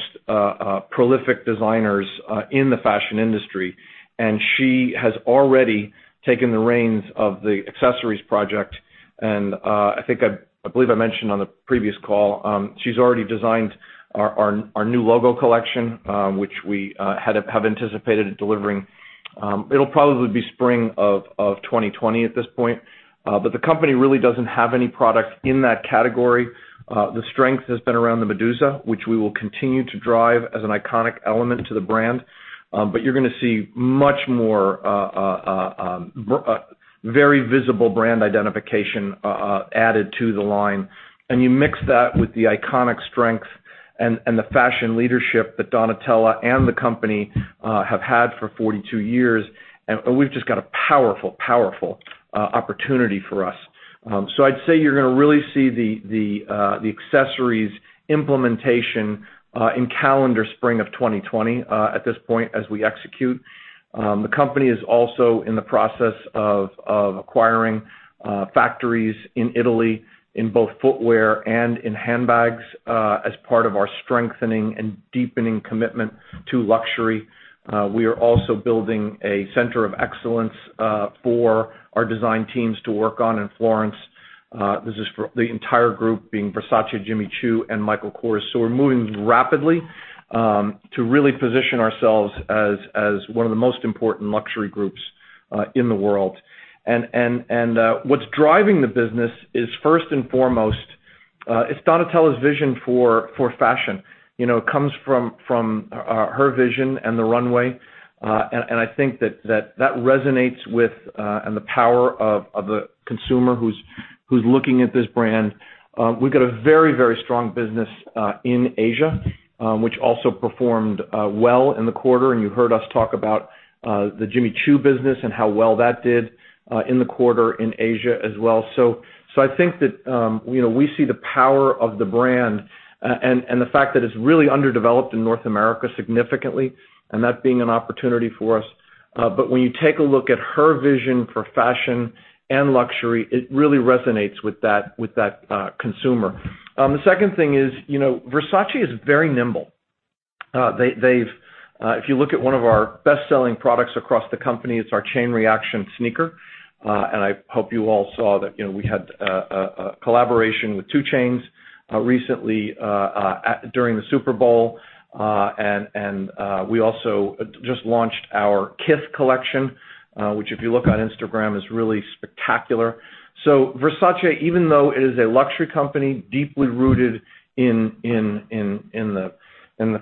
prolific designers in the fashion industry, she has already taken the reins of the accessories project. I think, I believe I mentioned on the previous call, she's already designed our new logo collection, which we have anticipated delivering. It'll probably be spring of 2020 at this point. The company really doesn't have any product in that category. The strength has been around the Medusa, which we will continue to drive as an iconic element to the brand. You're going to see much more very visible brand identification added to the line. You mix that with the iconic strength and the fashion leadership that Donatella and the company have had for 42 years, we've just got a powerful opportunity for us. I'd say you're going to really see the accessories implementation in calendar spring of 2020, at this point, as we execute. The company is also in the process of acquiring factories in Italy in both footwear and in handbags, as part of our strengthening and deepening commitment to luxury. We are also building a center of excellence for our design teams to work on in Florence. This is for the entire group, being Versace, Jimmy Choo and Michael Kors. We're moving rapidly to really position ourselves as one of the most important luxury groups in the world. What's driving the business is first and foremost, it's Donatella's vision for fashion. It comes from her vision and the runway. I think that resonates with the power of the consumer who's looking at this brand. We've got a very strong business in Asia, which also performed well in the quarter. You heard us talk about the Jimmy Choo business and how well that did in the quarter in Asia as well. I think that we see the power of the brand and the fact that it's really underdeveloped in North America significantly, and that being an opportunity for us. When you take a look at her vision for fashion and luxury, it really resonates with that consumer. The second thing is Versace is very nimble. If you look at one of our best-selling products across the company, it's our Chain Reaction sneaker. I hope you all saw that we had a collaboration with 2 Chainz recently during the Super Bowl. We also just launched our Kith collection, which if you look on Instagram, is really spectacular. Versace, even though it is a luxury company deeply rooted in the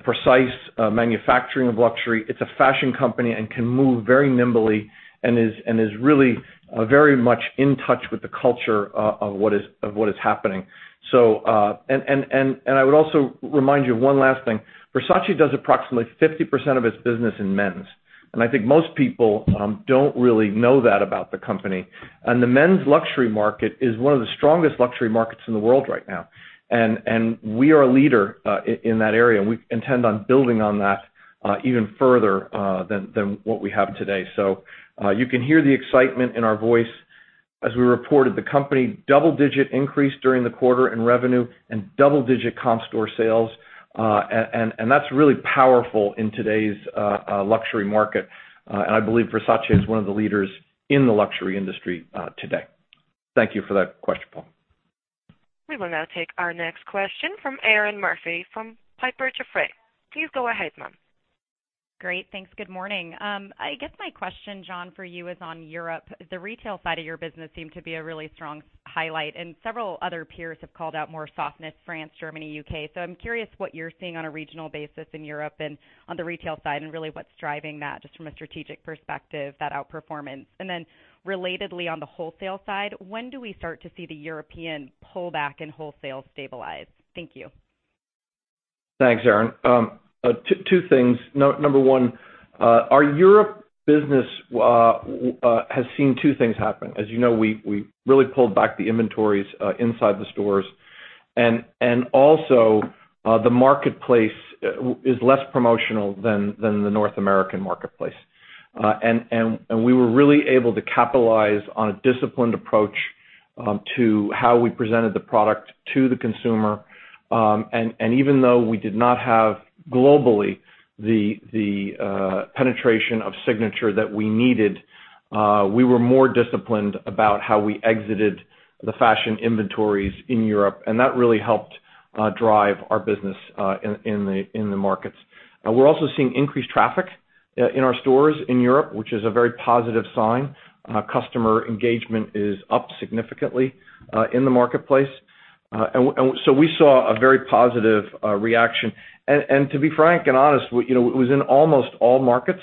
precise manufacturing of luxury, it's a fashion company and can move very nimbly and is really very much in touch with the culture of what is happening. I would also remind you of one last thing. Versace does approximately 50% of its business in men's, and I think most people don't really know that about the company. The men's luxury market is one of the strongest luxury markets in the world right now, and we are a leader in that area, and we intend on building on that even further than what we have today. You can hear the excitement in our voice as we reported the company double-digit increase during the quarter in revenue and double-digit comp store sales. That's really powerful in today's luxury market. I believe Versace is one of the leaders in the luxury industry today. Thank you for that question, Paul. We will now take our next question from Erinn Murphy from Piper Jaffray. Please go ahead, ma'am. Great. Thanks. Good morning. I guess my question, John, for you is on Europe. The retail side of your business seemed to be a really strong highlight, several other peers have called out more softness, France, Germany, U.K. I'm curious what you're seeing on a regional basis in Europe and on the retail side, and really what's driving that, just from a strategic perspective, that outperformance. Relatedly on the wholesale side, when do we start to see the European pullback in wholesale stabilize? Thank you. Thanks, Erinn. Two things. Number one, our Europe business has seen two things happen. As you know, we really pulled back the inventories inside the stores. Also, the marketplace is less promotional than the North American marketplace. We were really able to capitalize on a disciplined approach to how we presented the product to the consumer. Even though we did not have globally the penetration of signature that we needed, we were more disciplined about how we exited the fashion inventories in Europe, and that really helped drive our business in the markets. We're also seeing increased traffic in our stores in Europe, which is a very positive sign. Customer engagement is up significantly in the marketplace. We saw a very positive reaction. To be frank and honest, it was in almost all markets.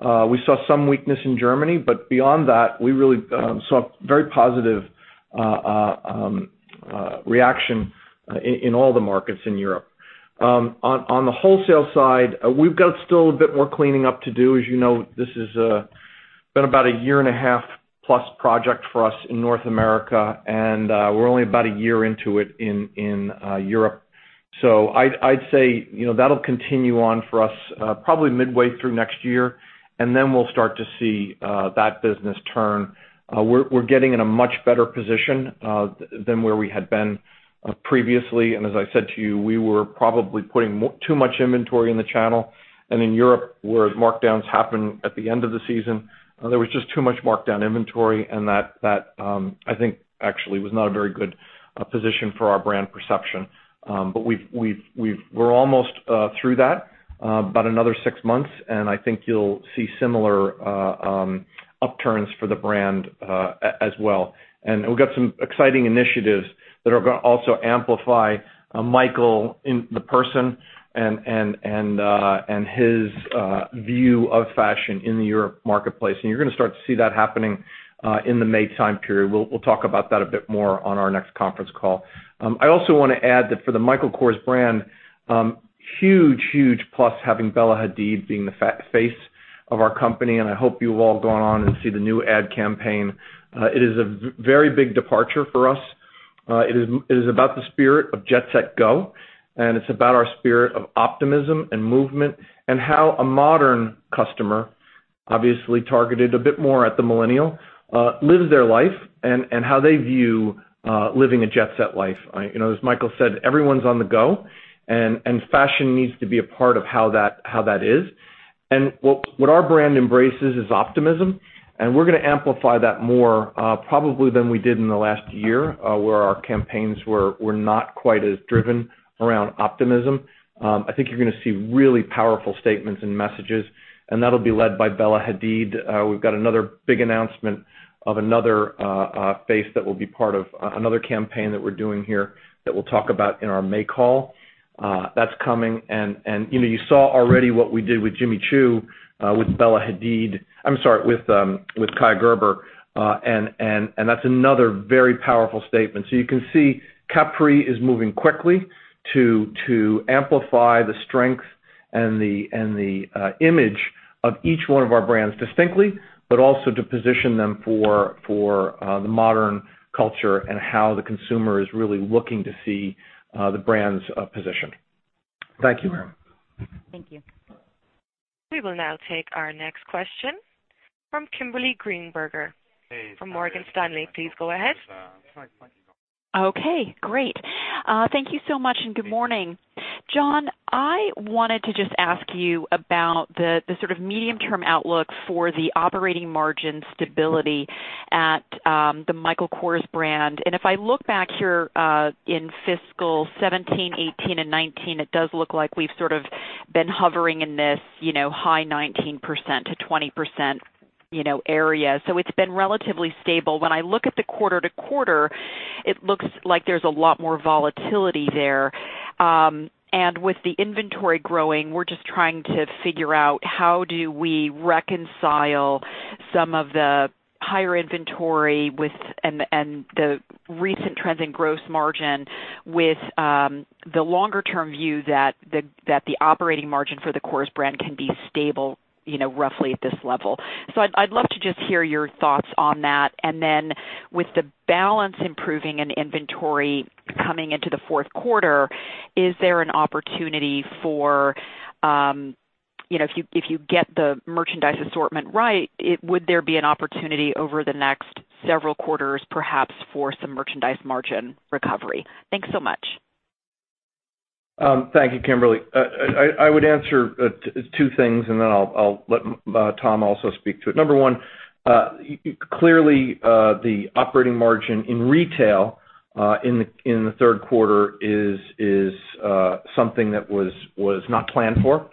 We saw some weakness in Germany, but beyond that, we really saw very positive reaction in all the markets in Europe. On the wholesale side, we've got still a bit more cleaning up to do. As you know, this has been about a year and a half plus project for us in North America, and we're only about a year into it in Europe. I'd say that'll continue on for us probably midway through next year, and then we'll start to see that business turn. We're getting in a much better position than where we had been previously. As I said to you, we were probably putting too much inventory in the channel. In Europe, where markdowns happen at the end of the season, there was just too much markdown inventory, and that, I think, actually, was not a very good position for our brand perception. We're almost through that, about another six months, and I think you'll see similar upturns for the brand as well. We've got some exciting initiatives that are going to also amplify Michael in the person and his view of fashion in the Europe marketplace. You're going to start to see that happening in the May time period. We'll talk about that a bit more on our next conference call. I also want to add that for the Michael Kors brand, huge plus having Bella Hadid being the face of our company, and I hope you've all gone on and see the new ad campaign. It is a very big departure for us. It is about the spirit of jet set go, and it's about our spirit of optimism and movement and how a modern customer, obviously targeted a bit more at the millennial, lives their life and how they view living a jet set life. As Michael said, everyone's on the go, and fashion needs to be a part of how that is. What our brand embraces is optimism, and we're going to amplify that more probably than we did in the last year, where our campaigns were not quite as driven around optimism. I think you're going to see really powerful statements and messages, and that'll be led by Bella Hadid. We've got another big announcement of another face that will be part of another campaign that we're doing here that we'll talk about in our May call. That's coming. You saw already what we did with Jimmy Choo, with Kaia Gerber. That's another very powerful statement. You can see Capri is moving quickly to amplify the strength and the image of each one of our brands distinctly, but also to position them for the modern culture and how the consumer is really looking to see the brand's position. Thank you. Thank you. We will now take our next question from Kimberly Greenberger from Morgan Stanley. Please go ahead. Okay, great. Thank you so much. Good morning. John, I wanted to just ask you about the sort of medium-term outlook for the operating margin stability at the Michael Kors brand. If I look back here in fiscal 2017, 2018, and 2019, it does look like we've sort of been hovering in this high 19%-20% area. It's been relatively stable. When I look at the quarter-over-quarter, it looks like there's a lot more volatility there. With the inventory growing, we're just trying to figure out how do we reconcile some of the higher inventory and the recent trends in gross margin with the longer term view that the operating margin for the Kors brand can be stable roughly at this level. I'd love to just hear your thoughts on that. With the balance improving and inventory coming into the fourth quarter, if you get the merchandise assortment right, would there be an opportunity over the next several quarters, perhaps for some merchandise margin recovery? Thanks so much. Thank you, Kimberly. I would answer two things, I'll let Tom also speak to it. Number one, clearly the operating margin in retail in the third quarter is something that was not planned for.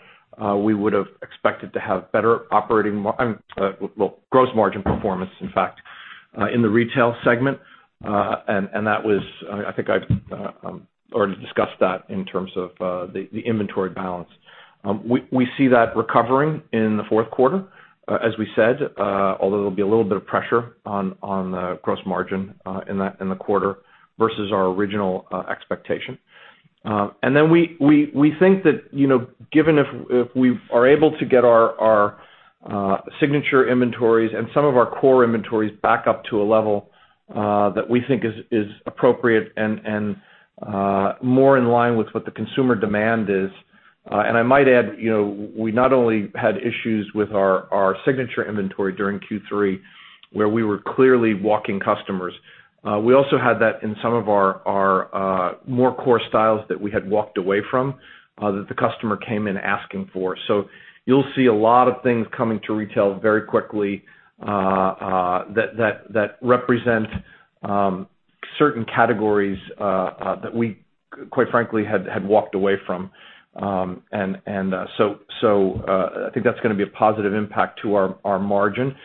We would have expected to have better well, gross margin performance, in fact, in the retail segment. I think I've already discussed that in terms of the inventory balance. We see that recovering in the fourth quarter, as we said, although there'll be a little bit of pressure on the gross margin in the quarter versus our original expectation. We think that, given if we are able to get our signature inventories and some of our core inventories back up to a level that we think is appropriate and more in line with what the consumer demand is. I might add, we not only had issues with our signature inventory during Q3 where we were clearly walking customers. We also had that in some of our more core styles that we had walked away from, that the customer came in asking for. You'll see a lot of things coming to retail very quickly that represent certain categories that we, quite frankly, had walked away from. I think that's going to be a positive impact to our margin.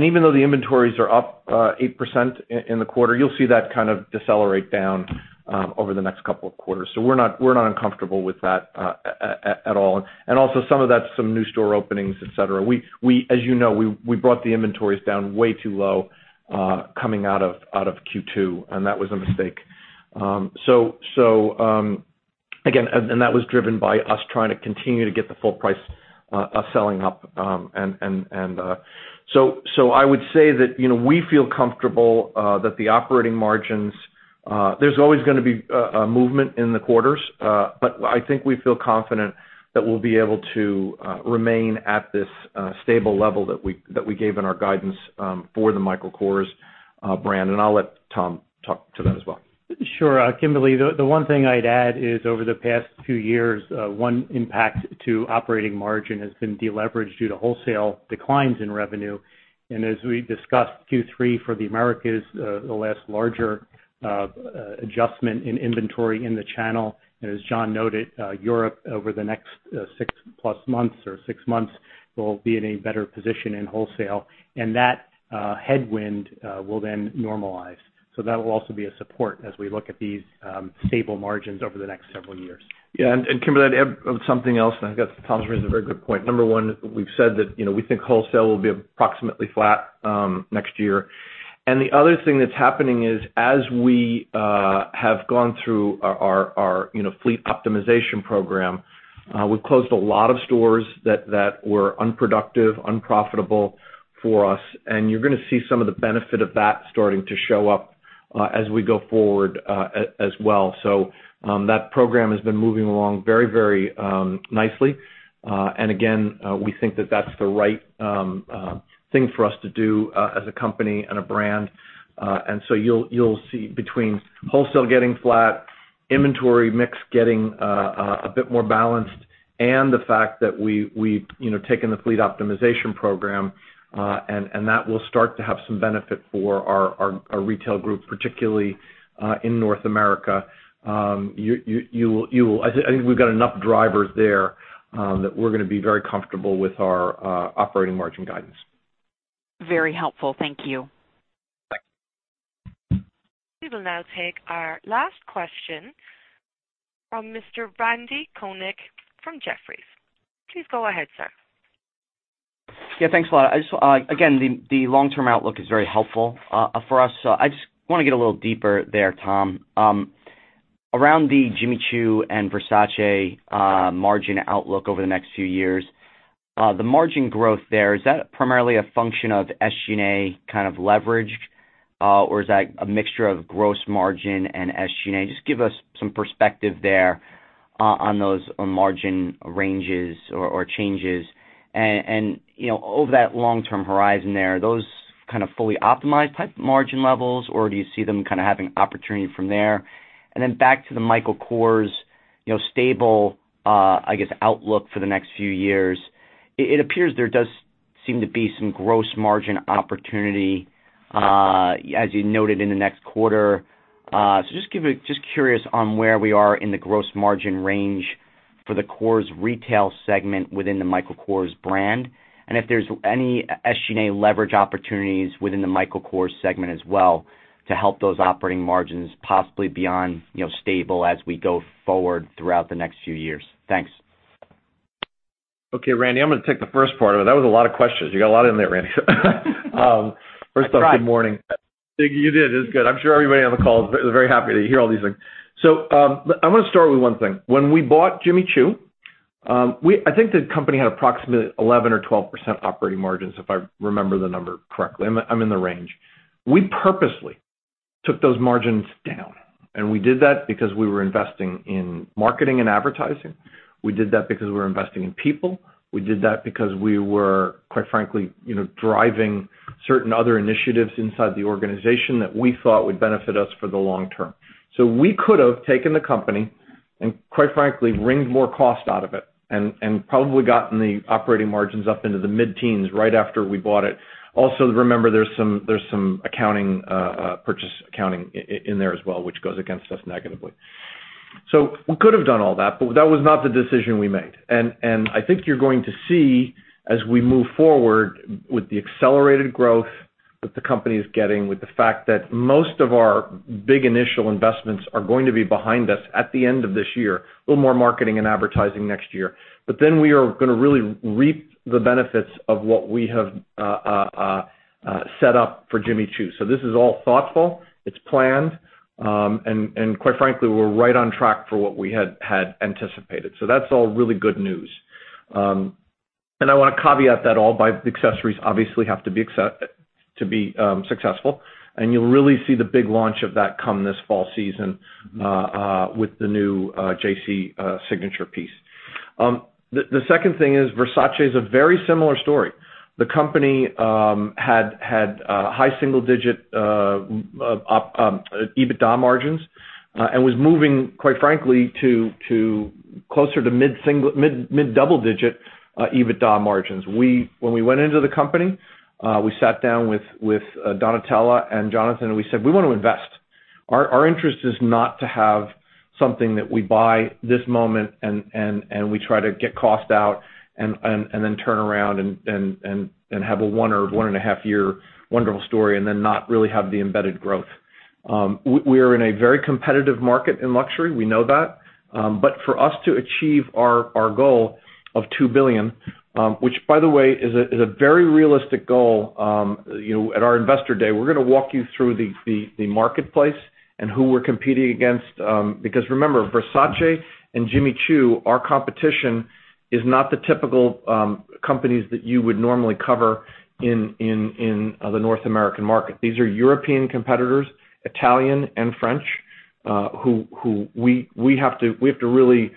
Even though the inventories are up 8% in the quarter, you'll see that decelerate down over the next couple of quarters. We're not uncomfortable with that at all. Also some of that's some new store openings, et cetera. As you know, we brought the inventories down way too low coming out of Q2, and that was a mistake. Again, that was driven by us trying to continue to get the full price of selling up. I would say that we feel comfortable that the operating margins, there's always going to be a movement in the quarters, but I think we feel confident that we'll be able to remain at this stable level that we gave in our guidance for the Michael Kors brand. I'll let Tom talk to that as well. Sure. Kimberly, the one thing I'd add is over the past two years, one impact to operating margin has been deleveraged due to wholesale declines in revenue. As we discussed Q3 for the Americas, the last larger adjustment in inventory in the channel. As John noted, Europe over the next six plus months or six months will be in a better position in wholesale, and that headwind will then normalize. That will also be a support as we look at these stable margins over the next several years. Yeah. Kimberly, something else, I think that Tom's raised a very good point. Number one, we've said that we think wholesale will be approximately flat next year. The other thing that's happening is, as we have gone through our fleet optimization program, we've closed a lot of stores that were unproductive, unprofitable for us. You're going to see some of the benefit of that starting to show up as we go forward as well. That program has been moving along very nicely. Again, we think that that's the right thing for us to do as a company and a brand. You'll see between wholesale getting flat, inventory mix getting a bit more balanced, the fact that we've taken the fleet optimization program, that will start to have some benefit for our retail group, particularly in North America. I think we've got enough drivers there that we're going to be very comfortable with our operating margin guidance. Very helpful. Thank you. Bye. We will now take our last question from Mr. Randy Konik from Jefferies. Please go ahead, sir. Yeah, thanks a lot. Again, the long-term outlook is very helpful for us. I just want to get a little deeper there, Tom. Around the Jimmy Choo and Versace margin outlook over the next few years. The margin growth there, is that primarily a function of SG&A kind of leverage? Or is that a mixture of gross margin and SG&A? Just give us some perspective there on those margin ranges or changes. Over that long-term horizon there, are those kind of fully optimized type margin levels, or do you see them having opportunity from there? Then back to the Michael Kors stable outlook for the next few years. It appears there does seem to be some gross margin opportunity as you noted in the next quarter. Just curious on where we are in the gross margin range for the Kors retail segment within the Michael Kors brand, and if there's any SG&A leverage opportunities within the Michael Kors segment as well to help those operating margins possibly beyond stable as we go forward throughout the next few years. Thanks. Okay, Randy, I'm going to take the first part of it. That was a lot of questions. You got a lot in there, Randy. I tried. First off, good morning. You did. It's good. I'm sure everybody on the call is very happy to hear all these things. I'm going to start with one thing. When we bought Jimmy Choo, I think the company had approximately 11% or 12% operating margins, if I remember the number correctly. I'm in the range. We purposely took those margins down, and we did that because we were investing in marketing and advertising. We did that because we were investing in people. We did that because we were, quite frankly, driving certain other initiatives inside the organization that we thought would benefit us for the long term. We could have taken the company and quite frankly, ringed more cost out of it and probably gotten the operating margins up into the mid-teens right after we bought it. Also, remember, there's some accounting, purchase accounting in there as well, which goes against us negatively. We could have done all that, but that was not the decision we made. I think you're going to see as we move forward with the accelerated growth that the company is getting, with the fact that most of our big initial investments are going to be behind us at the end of this year. A little more marketing and advertising next year. We are going to really reap the benefits of what we have set up for Jimmy Choo. This is all thoughtful, it's planned, and quite frankly, we're right on track for what we had anticipated. That's all really good news. I want to caveat that all buy accessories obviously have to be successful. You'll really see the big launch of that come this fall season with the new JC signature piece. The second thing is Versace is a very similar story. The company had high single-digit EBITDA margins and was moving, quite frankly, to closer to mid-double-digit EBITDA margins. When we went into the company, we sat down with Donatella and Jonathan, and we said, "We want to invest. Our interest is not to have something that we buy this moment and we try to get cost out and then turn around and have a one or one and a half year wonderful story and then not really have the embedded growth." We are in a very competitive market in luxury. We know that. For us to achieve our goal of $2 billion, which by the way, is a very realistic goal. At our Investor Day, we're going to walk you through the marketplace and who we're competing against. Remember, Versace and Jimmy Choo, our competition is not the typical companies that you would normally cover in the North American market. These are European competitors, Italian and French, who we have to really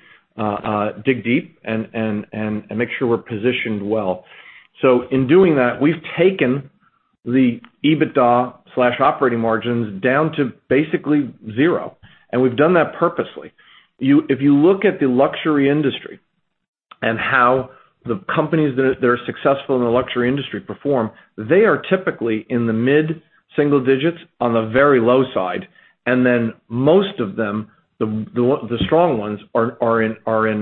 dig deep and make sure we're positioned well. In doing that, we've taken the EBITDA/operating margins down to basically zero. We've done that purposely. If you look at the luxury industry and how the companies that are successful in the luxury industry perform, they are typically in the mid-single digits on the very low side. Most of them, the strong ones, are in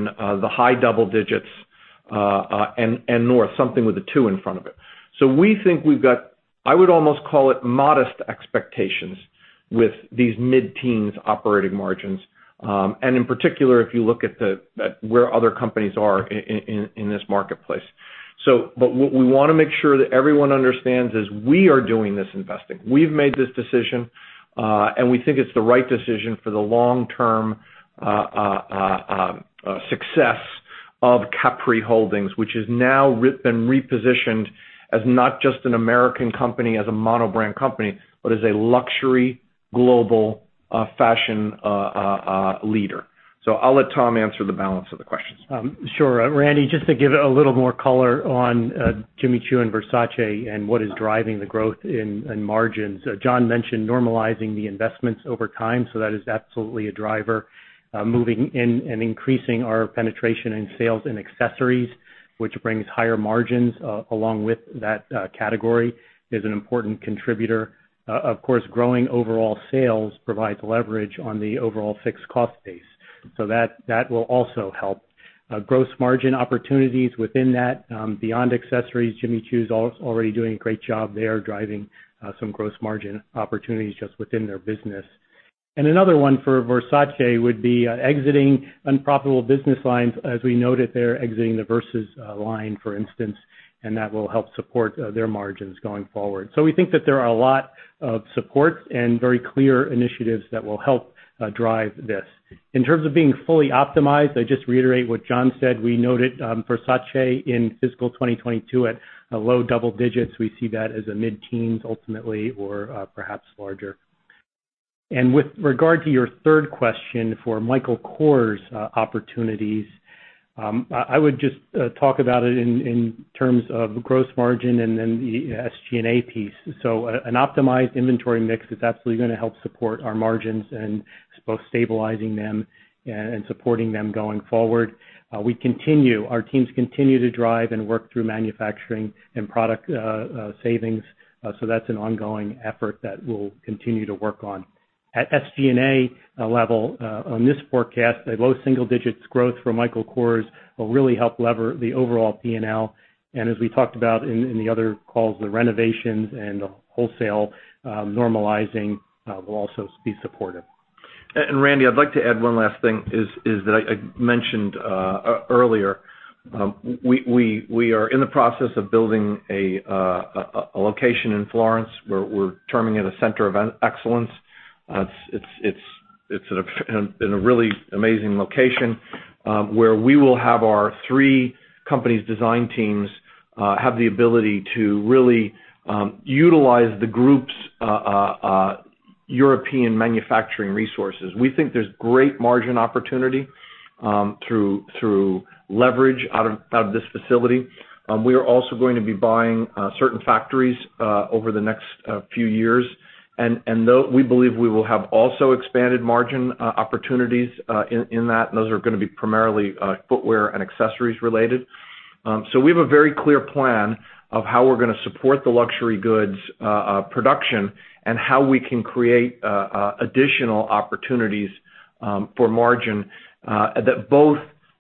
the high double digits, and north, something with a two in front of it. We think we've got, I would almost call it modest expectations with these mid-teens operating margins. In particular, if you look at where other companies are in this marketplace. What we want to make sure that everyone understands is we are doing this investing. We've made this decision, and we think it's the right decision for the long-term success of Capri Holdings, which has now been repositioned as not just an American company, as a mono brand company, but as a luxury global fashion leader. I'll let Tom answer the balance of the questions. Sure. Randy, just to give it a little more color on Jimmy Choo and Versace and what is driving the growth in margins. John mentioned normalizing the investments over time, that is absolutely a driver. Moving in and increasing our penetration in sales and accessories, which brings higher margins along with that category, is an important contributor. Of course, growing overall sales provides leverage on the overall fixed cost base. That will also help. Gross margin opportunities within that. Beyond accessories, Jimmy Choo is already doing a great job. They are driving some gross margin opportunities just within their business. Another one for Versace would be exiting unprofitable business lines, as we noted they're exiting the Versus line, for instance, and that will help support their margins going forward. We think that there are a lot of supports and very clear initiatives that will help drive this. In terms of being fully optimized, I just reiterate what John said. We noted Versace in fiscal 2022 at low double digits. We see that as a mid-teens ultimately or perhaps larger. With regard to your third question for Michael Kors opportunities, I would just talk about it in terms of gross margin and then the SG&A piece. An optimized inventory mix is absolutely going to help support our margins and both stabilizing them and supporting them going forward. Our teams continue to drive and work through manufacturing and product savings, that's an ongoing effort that we'll continue to work on. At SG&A level on this forecast, a low single digits growth for Michael Kors will really help lever the overall P&L. As we talked about in the other calls, the renovations and the wholesale normalizing will also be supportive. And Randy, I'd like to add one last thing, is that I mentioned earlier. We are in the process of building a location in Florence. We're terming it a center of excellence. It's in a really amazing location, where we will have our three companies' design teams have the ability to really utilize the group's European manufacturing resources. We think there's great margin opportunity through leverage out of this facility. We are also going to be buying certain factories over the next few years, and we believe we will have also expanded margin opportunities in that. Those are going to be primarily footwear and accessories related. We have a very clear plan of how we're going to support the luxury goods production and how we can create additional opportunities for margin that both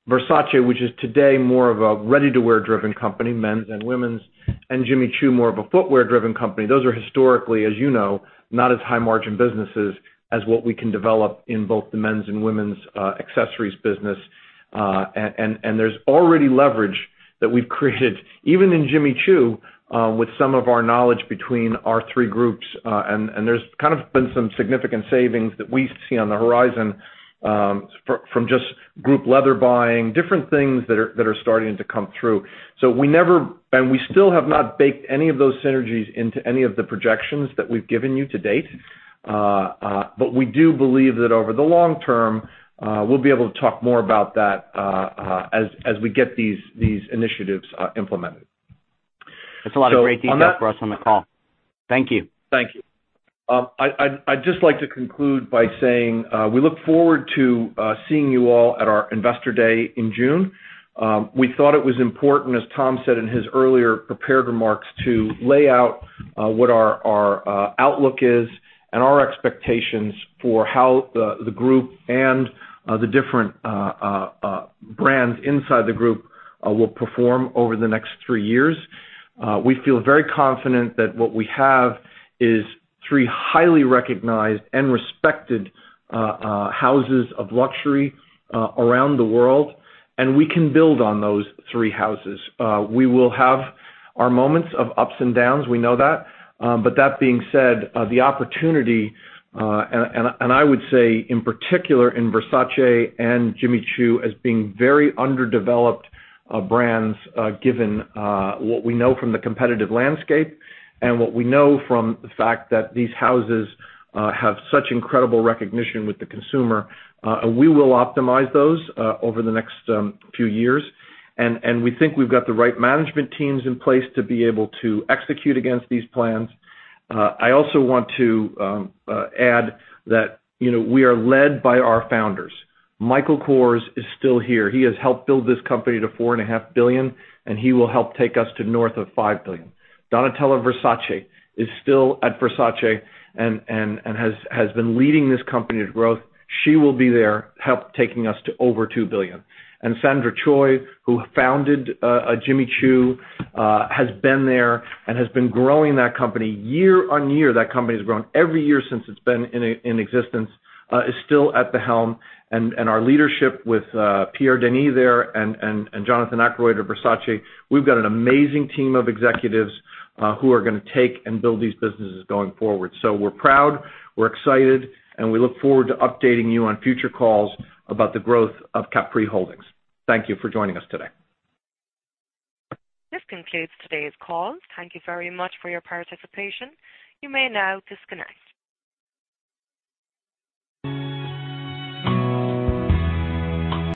Versace, which is today more of a ready-to-wear driven company, men's and women's, and Jimmy Choo, more of a footwear driven company. Those are historically, as you know, not as high-margin businesses as what we can develop in both the men's and women's accessories business. There's already leverage that we've created even in Jimmy Choo, with some of our knowledge between our three groups. There's kind of been some significant savings that we see on the horizon from just group leather buying, different things that are starting to come through. We still have not baked any of those synergies into any of the projections that we've given you to date. We do believe that over the long term, we'll be able to talk more about that as we get these initiatives implemented. That's a lot of great detail for us on the call. Thank you. Thank you. I'd just like to conclude by saying we look forward to seeing you all at our Investor Day in June. We thought it was important, as Tom said in his earlier prepared remarks, to lay out what our outlook is and our expectations for how the group and the different brands inside the group will perform over the next three years. We feel very confident that what we have is three highly recognized and respected houses of luxury around the world. We can build on those three houses. We will have our moments of ups and downs, we know that. That being said, the opportunity, and I would say in particular in Versace and Jimmy Choo as being very underdeveloped brands given what we know from the competitive landscape and what we know from the fact that these houses have such incredible recognition with the consumer. We will optimize those over the next few years, and we think we've got the right management teams in place to be able to execute against these plans. I also want to add that we are led by our founders. Michael Kors is still here. He has helped build this company to $4.5 billion, and he will help take us to north of $5 billion. Donatella Versace is still at Versace and has been leading this company to growth. She will be there, help taking us to over $2 billion. Sandra Choi, who founded Jimmy Choo, has been there and has been growing that company year-on-year. That company has grown every year since it's been in existence, is still at the helm, and our leadership with Pierre Denis there and Jonathan Akeroyd at Versace, we've got an amazing team of executives who are going to take and build these businesses going forward. We're proud, we're excited, and we look forward to updating you on future calls about the growth of Capri Holdings. Thank you for joining us today. This concludes today's call. Thank you very much for your participation. You may now disconnect.